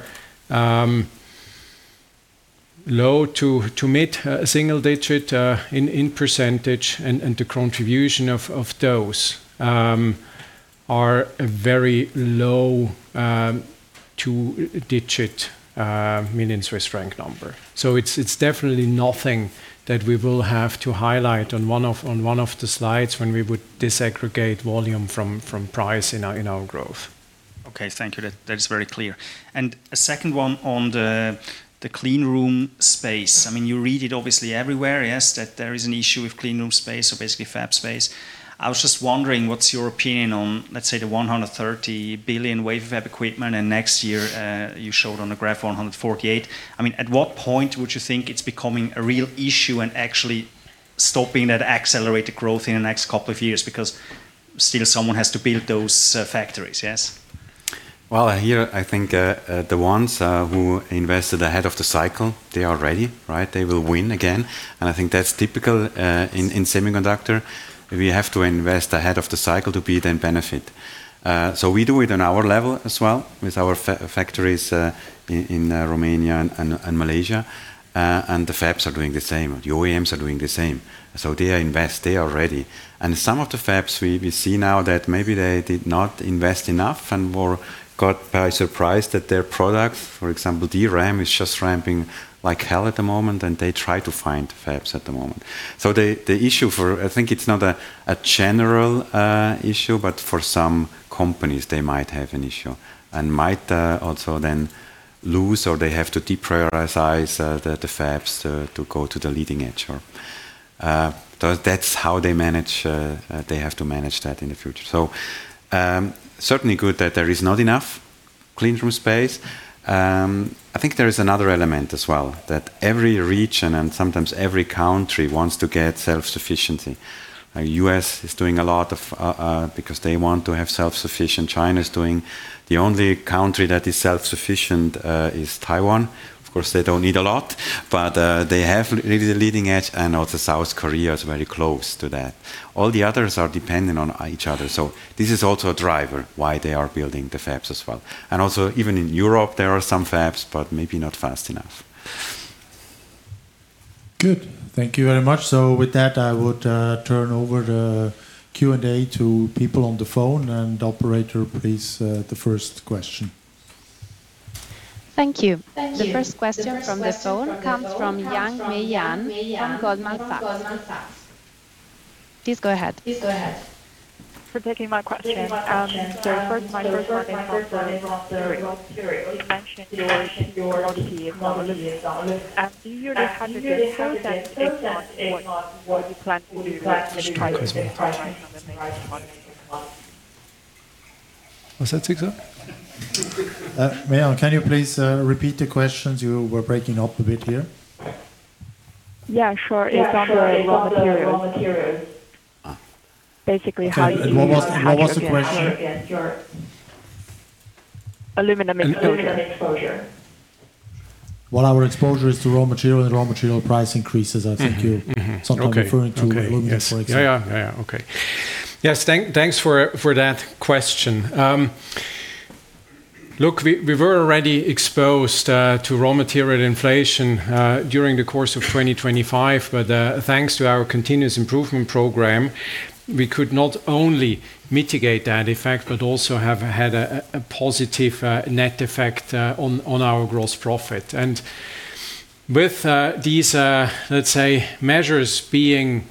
low to mid-single digit in % and the contribution of those are a very low two-digit million CHF number. It's definitely nothing that we will have to highlight on one of the slides when we would disaggregate volume from price in our growth. Okay. Thank you. That is very clear. A second one on the clean room space. I mean, you read it obviously everywhere, yes, that there is an issue with clean room space, so basically fab space. I was just wondering, what's your opinion on, let's say, the $130 billion wafer fab equipment and next year, you showed on the graph $148 billion. I mean, at what point would you think it's becoming a real issue and actually stopping that accelerated growth in the next couple of years? Still someone has to build those factories, yes. Well, here I think the ones who invested ahead of the cycle, they are ready, right? They will win again. I think that's typical in semiconductor. We have to invest ahead of the cycle to be then benefit. We do it on our level as well with our factories in Romania and Malaysia. The fabs are doing the same. The OEMs are doing the same. They invest. They are ready. Some of the fabs we see now that maybe they did not invest enough and were caught by surprise that their product, for example, DRAM, is just ramping like hell at the moment, and they try to find fabs at the moment. The issue for-- I think it's not a general issue, but for some companies they might have an issue and might also then lose or they have to deprioritize the fabs to go to the leading edge or that's how they manage, they have to manage that in the future. Certainly good that there is not enough clean room space. I think there is another element as well, that every region and sometimes every country wants to get self-sufficiency. U.S. is doing a lot of because they want to have self-sufficient. China is doing. The only country that is self-sufficient is Taiwan. Of course, they don't need a lot, but they have really the leading edge and also South Korea is very close to that. All the others are dependent on each other. This is also a driver why they are building the fabs as well. Also even in Europe there are some fabs, but maybe not fast enough. Good. Thank you very much. With that, I would turn over the Q&A to people on the phone. Operator, please, the first question. Thank you. The first question from the phone comes from Miyi Tang from Goldman Sachs. Please go ahead. For taking my question. First my first one is on the raw materials. You mentioned your commodity exposure. Do you really have a good sense if it's not what you plan to do? Let's try this one. What's that, Sigmar? Miyi, can you please repeat the questions? You were breaking up a bit here. Yeah, sure. It's on the raw materials. Basically how you- What was the question? Aluminum exposure. Our exposure is to raw material and raw material price increases. I think you're sometimes referring to aluminum, for example. Yeah. Yeah. Okay. Yes. Thanks for that question. Look, we were already exposed to raw material inflation during the course of 2025, but thanks to our continuous improvement program, we could not only mitigate that effect, but also have had a positive net effect on our gross profit. With these, let's say, measures being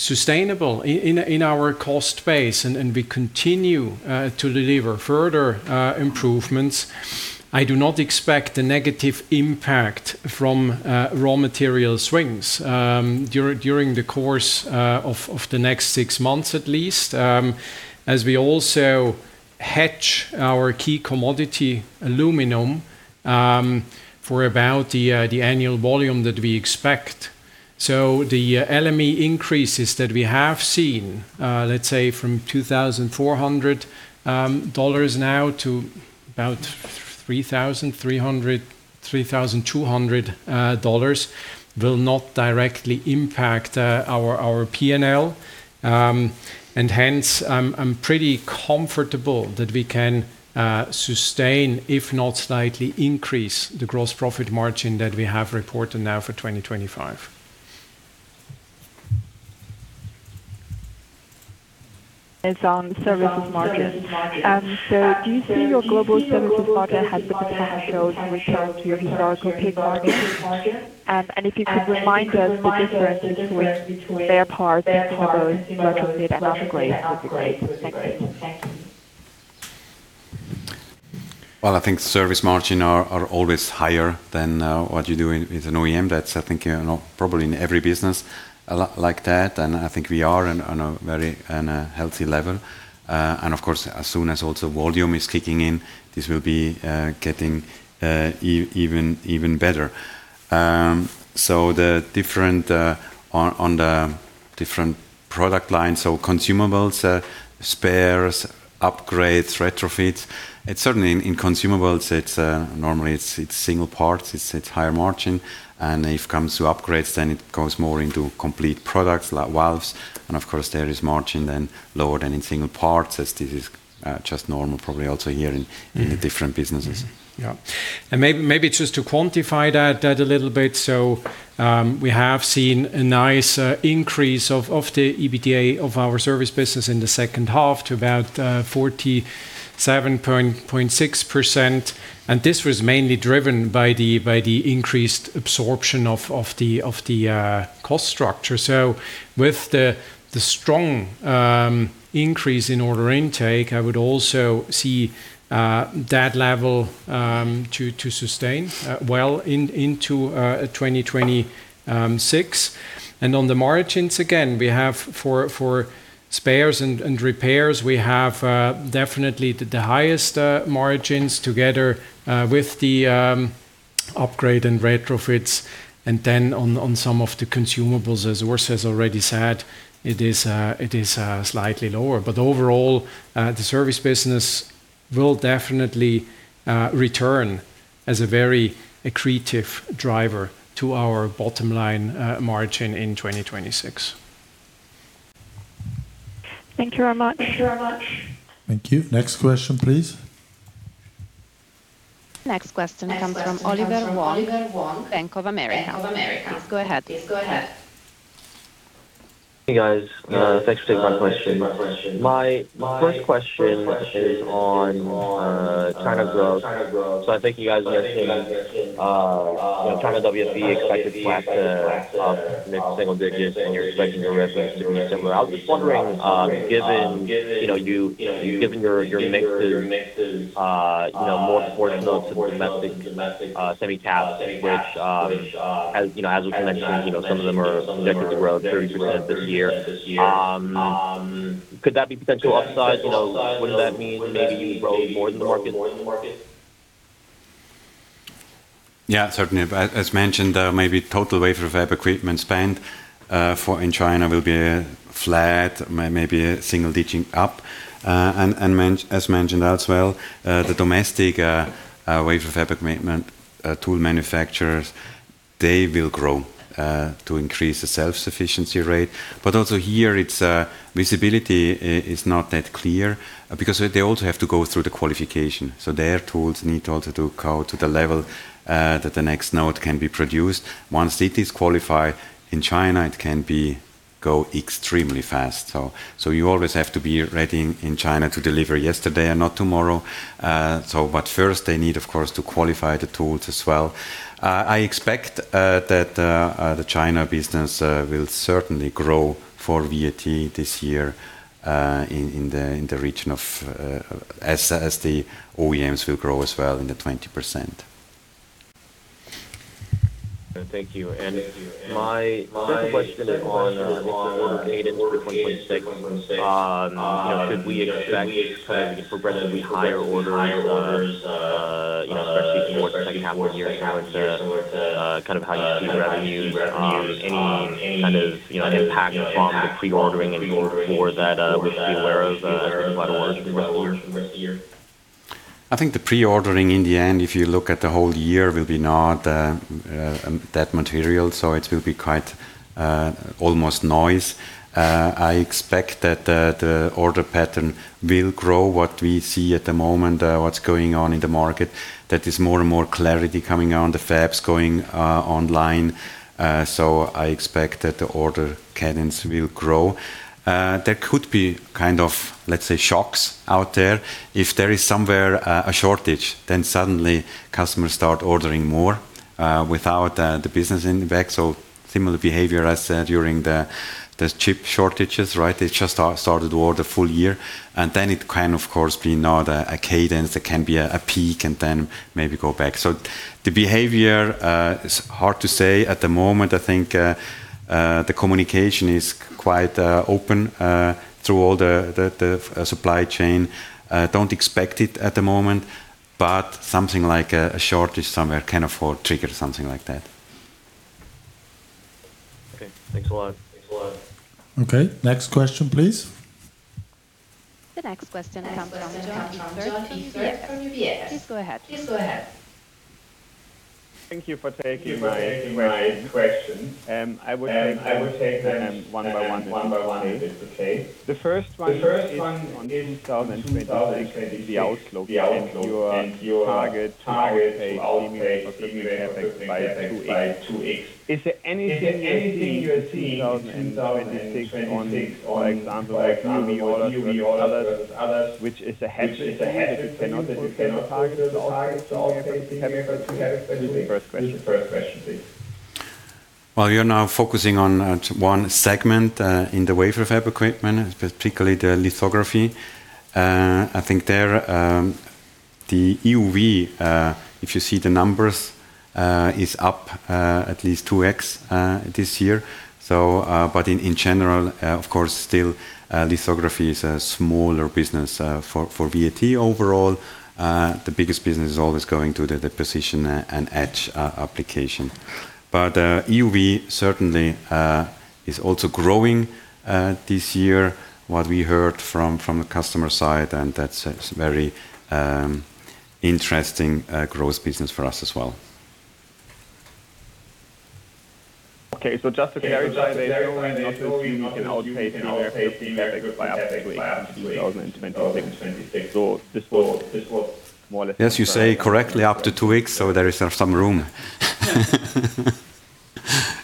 sustainable in our cost base and we continue to deliver further improvements, I do not expect a negative impact from raw material swings during the course of the next six months at least, as we also hedge our key commodity aluminum for about the annual volume that we expect. The LME increases that we have seen, let's say from $2,400 now to about $3,300, $3,200 will not directly impact our P&L. And hence, I'm pretty comfortable that we can sustain if not slightly increase the gross profit margin that we have reported now for 2025. It's on services margin. Do you see your global services margin has the potential to return to your historical peak margin? If you could remind us the differences between their parts and how those retrofit and upgrade would be great. Thank you. Well, I think service margin are always higher than what you do in, with an OEM. That's I think, you know, probably in every business like that, and I think we are on a healthy level. Of course, as soon as also volume is kicking in, this will be getting even better. The different on the different product lines, so consumables, spares, upgrades, retrofits. It's certainly in consumables, it's normally it's single parts, it's higher margin. If it comes to upgrades, then it goes more into complete products like valves. Of course, there is margin then lower than in single parts, as this is just normal probably also here in. Mm-hmm. the different businesses. Yeah. And maybe just to quantify that a little bit. We have seen a nice increase of the EBITDA of our service business in the second half to about 47.6%. This was mainly driven by the increased absorption of the cost structure. With the strong increase in order intake, I would also see that level to sustain well into 2026. On the margins, again, for spares and repairs, we have definitely the highest margins together with the upgrade and retrofits. Then on some of the consumables, as Urs has already said, it is slightly lower. Overall, the service business will definitely return as a very accretive driver to our bottom line, margin in 2026. Thank you very much. Thank you. Next question, please. Next question comes from Oliver Wong, Bank of America. Please go ahead. Hey, guys. Thanks for taking my question. My first question is on China growth. I think you guys mentioned, you know, China WFE expected flat to up mid-single digits, and you're expecting your revenue to be similar. I was just wondering, given, you know, given your mix is, you know, more towards the domestic, semi caps, which, as, you know, as you mentioned, you know, some of them are projected to grow 30% this year. Could that be potential upside? You know, would that mean maybe you grow more than the market? Yeah, certainly. As mentioned, maybe total wafer fab equipment spend for in China will be flat, maybe single digit up. And as mentioned as well, the domestic wafer fab equipment tool manufacturers, they will grow to increase the self-sufficiency rate. Also here, its visibility is not that clear, because they also have to go through the qualification. Their tools need also to go to the level that the next node can be produced. Once it is qualified in China, it can go extremely fast. You always have to be ready in China to deliver yesterday and not tomorrow. First they need, of course, to qualify the tools as well. I expect that the China business will certainly grow for VAT this year, in the, in the region of, as the OEMs will grow as well in the 20%. Thank you. My second question is on order cadence for 2026. You know, should we expect kind of progressively higher orders, you know, especially towards the second half of the year similar to kind of how you see the revenue? Any kind of, you know, impact from the pre-ordering in Q4 that we should be aware of, thinking about orders for the rest of the year? I think the pre-ordering in the end, if you look at the whole year, will be not that material. It will be quite almost noise. I expect that the order pattern will grow. What we see at the moment, what's going on in the market, that is more and more clarity coming on, the fabs going online. I expect that the order cadence will grow. There could be kind of, let's say, shocks out there. If there is somewhere a shortage, then suddenly customers start ordering more without the business impact. Similar behavior as during the chip shortages, right? They just started to order full year. Then it can of course be not a cadence. There can be a peak and then maybe go back. The behavior is hard to say at the moment. I think the communication is quite open through all the supply chain. Don't expect it at the moment, but something like a shortage somewhere can trigger something like that. Okay. Thanks a lot. Okay. Next question, please. The next question comes from Joern Iffert from UBS. Please go ahead. Thank you for taking my questions. I will take them one by one if it's okay. The first one is on 2026, the outlook and your target to outpace TMK for wafer fab by 2x. Is there anything you're seeing in 2026 on, for example, like DUV orders versus others, which is a hedge if you cannot achieve your target to outpace TMK for wafer fab? This is the first question. Well, you're now focusing on one segment in the wafer fab equipment, particularly the lithography. I think there the EUV, if you see the numbers, is up at least 2x this year. In general, of course, still lithography is a smaller business for VAT overall. The biggest business is always going to the deposition and etch application. EUV certainly is also growing this year, what we heard from the customer side, and that's a very interesting growth business for us as well. Just to clarify, there is always an opportunity we can outpace the wafer fab by up to 2 weeks in 2026. This was more or less. Yes, you say correctly, up to two weeks, so there is some room.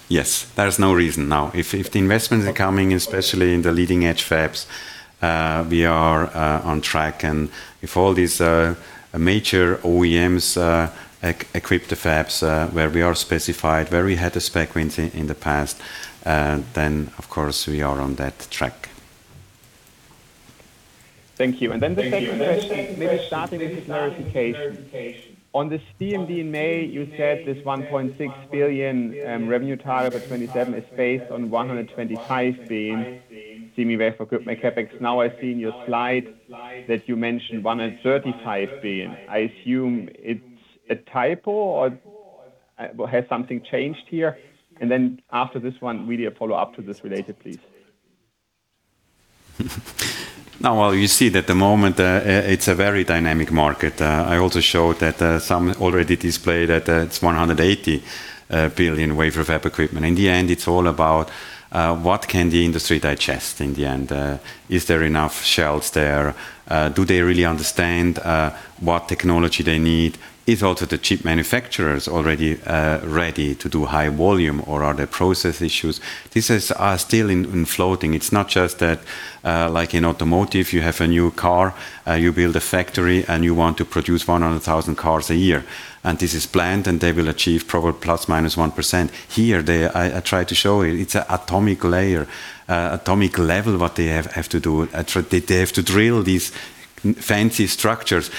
Yes. There is no reason now. If, if the investments are coming, especially in the leading-edge fabs, we are on track. If all these major OEMs equip the fabs, where we are specified, where we had the spec wins in the past, then, of course, we are on that track. Thank you. The second question, maybe starting with the clarification. On the CMD in May, you said this $1.6 billion revenue target for 2027 is based on $125 billion semiwafer equipment CapEx. Now, I see in your slide that you mentioned $135 billion. I assume it's a typo or has something changed here? After this one, really a follow-up to this related, please. Now, while you see that the moment, it's a very dynamic market. I also showed that some already display that it's $180 billion wafer fab equipment. In the end, it's all about what can the industry digest in the end? Is there enough shells there? Do they really understand what technology they need? Is also the chip manufacturers already ready to do high volume or are there process issues? This is still in floating. It's not just that like in automotive, you have a new car, you build a factory and you want to produce 100,000 cars a year. This is planned, and they will achieve probably ±1%. Here, I tried to show it. It's an atomic layer, atomic level, what they have to do. They have to drill these fancy structures.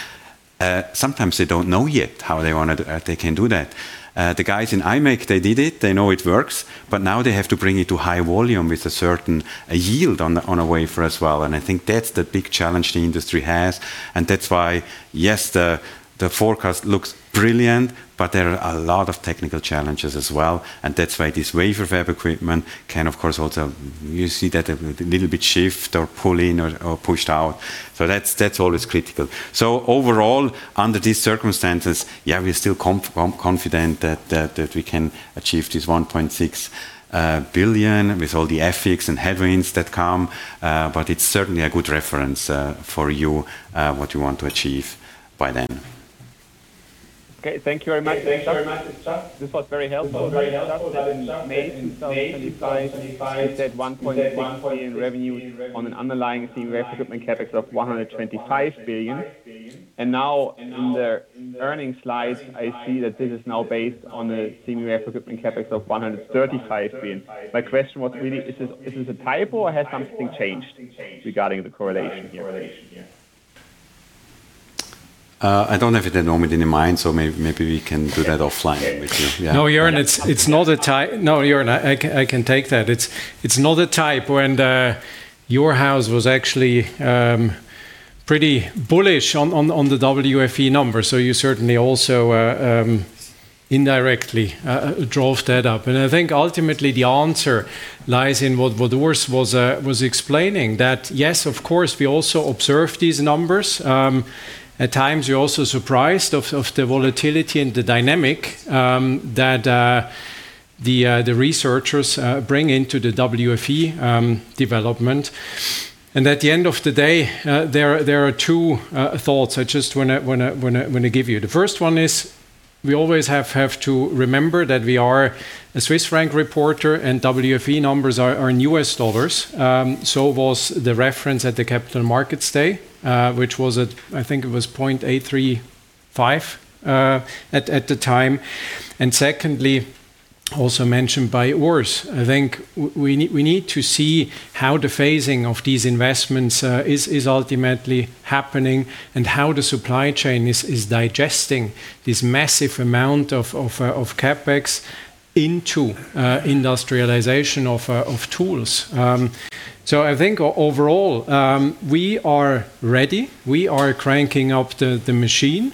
Sometimes they don't know yet how they can do that. The guys in imec, they did it, they know it works, but now they have to bring it to high volume with a certain yield on a wafer as well. I think that's the big challenge the industry has. That's why, yes, the forecast looks brilliant, but there are a lot of technical challenges as well. That's why this wafer fab equipment can, of course, also, you see that a little bit shift or pull in or pushed out. That's always critical. Overall, under these circumstances, we're still confident that we can achieve this 1.6 billion with all the ethics and headwinds that come. It's certainly a good reference for you what you want to achieve by then. Okay. Thank you very much. This was very helpful. In May 2025, you said $1.6 billion revenue on an underlying semiwafer equipment CapEx of $125 billion. Now in the earnings slide, I see that this is now based on a semiwafer equipment CapEx of $135 billion. My question was really, is this a typo or has something changed regarding the correlation here? I don't have the norm in mind, so maybe we can do that offline with you. Yeah. No, Joern, I can take that. It's not a typo. Your house was actually pretty bullish on the WFE number. You certainly also indirectly drove that up. I think ultimately the answer lies in what Urs was explaining that, yes, of course, we also observe these numbers. At times, we're also surprised of the volatility and the dynamic that the researchers bring into the WFE development. At the end of the day, there are two thoughts I just want to give you. The first one is we always have to remember that we are a Swiss franc reporter and WFE numbers are in US dollars. Was the reference at the Capital Markets Day, which was at, I think it was 0.835 at the time. Secondly, also mentioned by Urs, I think we need to see how the phasing of these investments is ultimately happening and how the supply chain is digesting this massive amount of CapEx into industrialization of tools. I think overall, we are ready, we are cranking up the machine.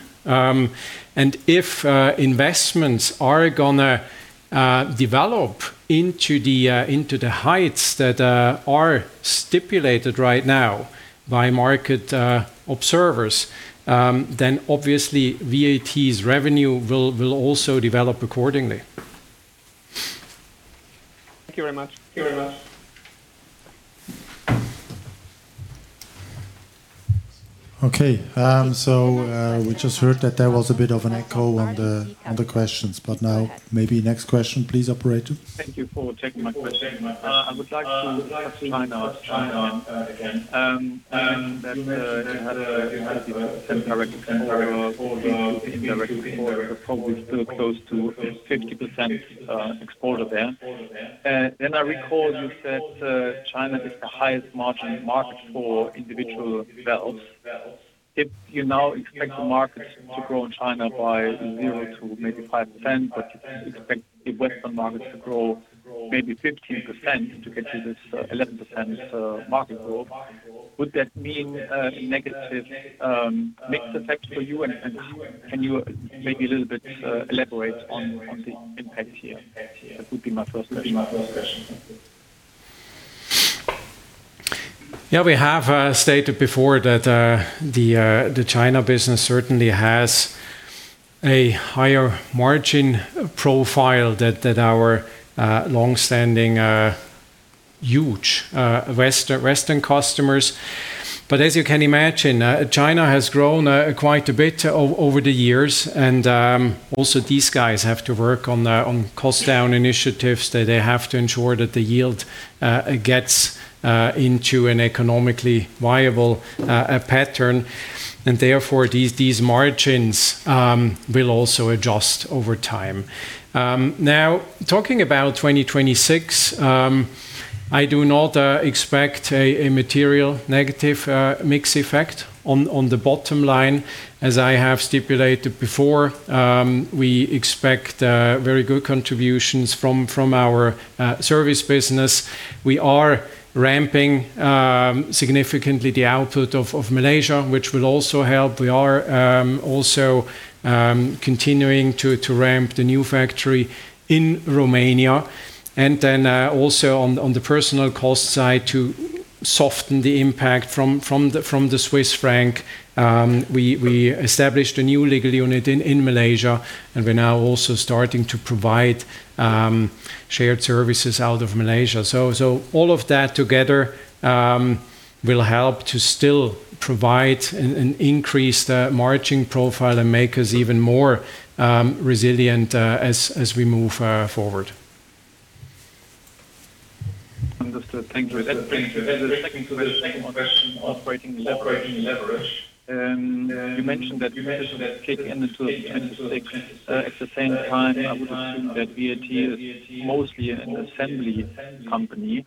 If investments are gonna develop into the heights that are stipulated right now by market observers, then obviously, VAT's revenue will also develop accordingly. Thank you very much. We just heard that there was a bit of an echo on the, on the questions. Now maybe next question, please, operator. Thank you for taking my question. I would like to ask China again. That you had 50% direct or indirectly, you're probably still close to 50% exposure there. And I recall you said China is the highest margin market for individual valves. If you now expect the market to grow in China by 0%-5%, but you expect the Western market to grow maybe 15% to get to this 11% market growth, would that mean a negative mix effect for you? Can you maybe a little bit elaborate on the impact here? That would be my first question. Yeah. We have stated before that the China business certainly has a higher margin profile than our longstanding, huge Western customers. As you can imagine, China has grown quite a bit over the years, and also these guys have to work on cost down initiatives. They have to ensure that the yield gets into an economically viable pattern, and therefore these margins will also adjust over time. Now, talking about 2026, I do not expect a material negative mix effect on the bottom line. As I have stipulated before, we expect very good contributions from our service business. We are ramping significantly the output of Malaysia, which will also help. We are also continuing to ramp the new factory in Romania. Then also on the personal cost side to soften the impact from the Swiss franc, we established a new legal unit in Malaysia, and we're now also starting to provide shared services out of Malaysia. All of that together will help to still provide an increased margin profile and make us even more resilient as we move forward. Understood. Thank you. That brings me to the second question on operating leverage. You mentioned that this will kick in into 2026. At the same time, I would assume that VAT is mostly an assembly company,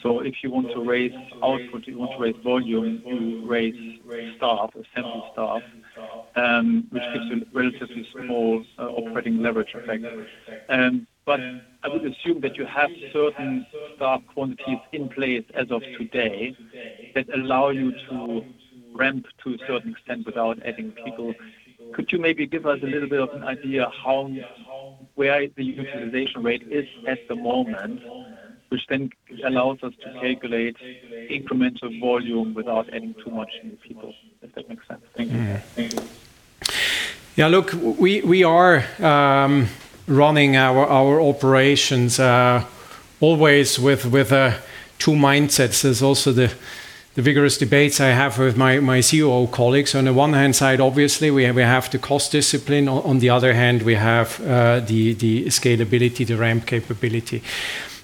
so if you want to raise output, you want to raise volume, you raise staff, assembly staff, which gives you a relatively small operating leverage effect. I would assume that you have certain staff quantities in place as of today that allow you to ramp to a certain extent without adding people. Could you maybe give us a little bit of an idea how, where the utilization rate is at the moment, which then allows us to calculate incremental volume without adding too much new people, if that makes sense? Thank you. Yeah. Look, we are running our operations always with two mindsets. There's also the vigorous debates I have with my CEO colleagues. On the one hand side, obviously, we have the cost discipline. On the other hand, we have the scalability, the ramp capability.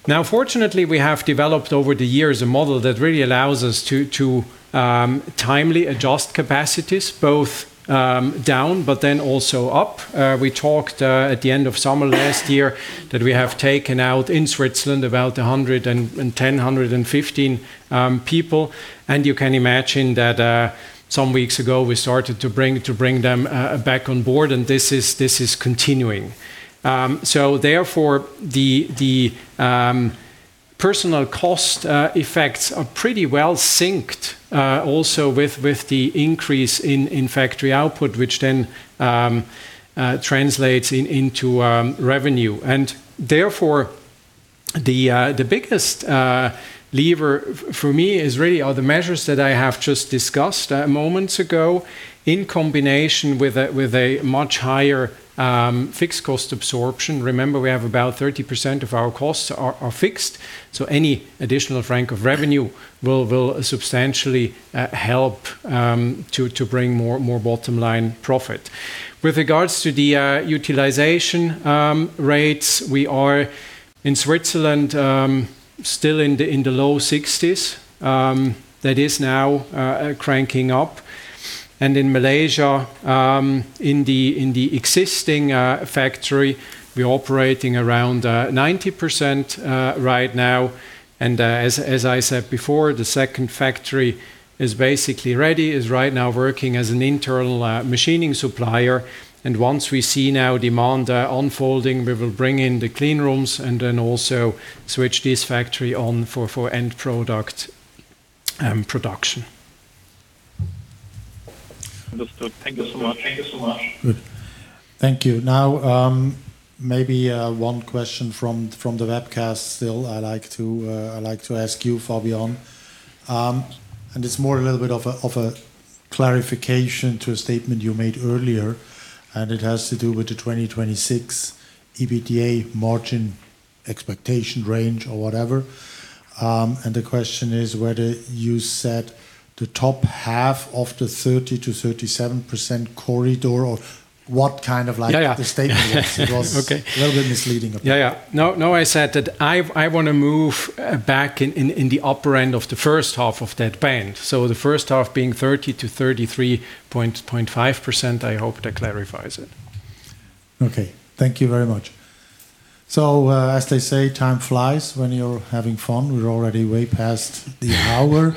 Now, fortunately, we have developed over the years a model that really allows us to timely adjust capacities both down but then also up. We talked at the end of summer last year that we have taken out in Switzerland about 110, 115 people. You can imagine that some weeks ago, we started to bring them back on board, and this is continuing. Therefore, the personal cost effects are pretty well synced also with the increase in factory output, which then translates into revenue. Therefore, the biggest lever for me is really are the measures that I have just discussed moments ago in combination with a much higher fixed cost absorption. Remember, we have about 30% of our costs are fixed, any additional CHF of revenue will substantially help to bring more bottom line profit. With regards to the utilization rates, we are in Switzerland still in the low 60s, that is now cranking up. In Malaysia, in the existing factory, we're operating around 90% right now. As I said before, the second factory is basically ready. It is right now working as an internal machining supplier. Once we see now demand unfolding, we will bring in the clean rooms and then also switch this factory on for end product production. Understood. Thank you so much. Good. Thank you. Maybe one question from the webcast still I'd like to ask you, Fabian. It's more a little bit of a clarification to a statement you made earlier, and it has to do with the 2026 EBITDA margin expectation range or whatever. The question is whether you set the top half of the 30%-37% corridor or what kind of. Yeah, yeah. The statement was. Okay. It was a little bit misleading a bit. Yeah, yeah. No, no. I said that I wanna move back in the upper end of the first half of that band. The first half being 30% to 33.5%. I hope that clarifies it. Okay. Thank you very much. As they say, time flies when you're having fun. We're already way past the hour.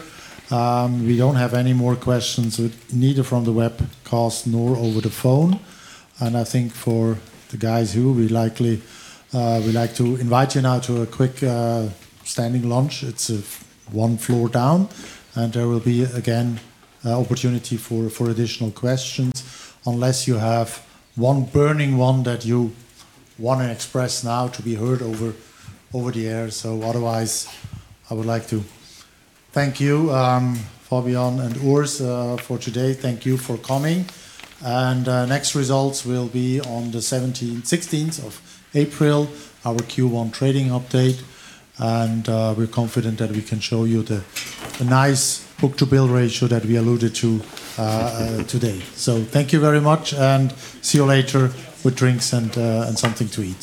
We don't have any more questions neither from the webcast nor over the phone. I think for the guys here, we likely, we'd like to invite you now to a quick, standing lunch. It's one floor down, and there will be again an opportunity for additional questions unless you have one burning one that you wanna express now to be heard over the air. Otherwise, I would like to thank you, Fabian and Urs, for today. Thank you for coming. Next results will be on the 16th of April, our Q1 trading update. We're confident that we can show you the nice book-to-bill ratio that we alluded to today. Thank you very much and see you later with drinks and something to eat.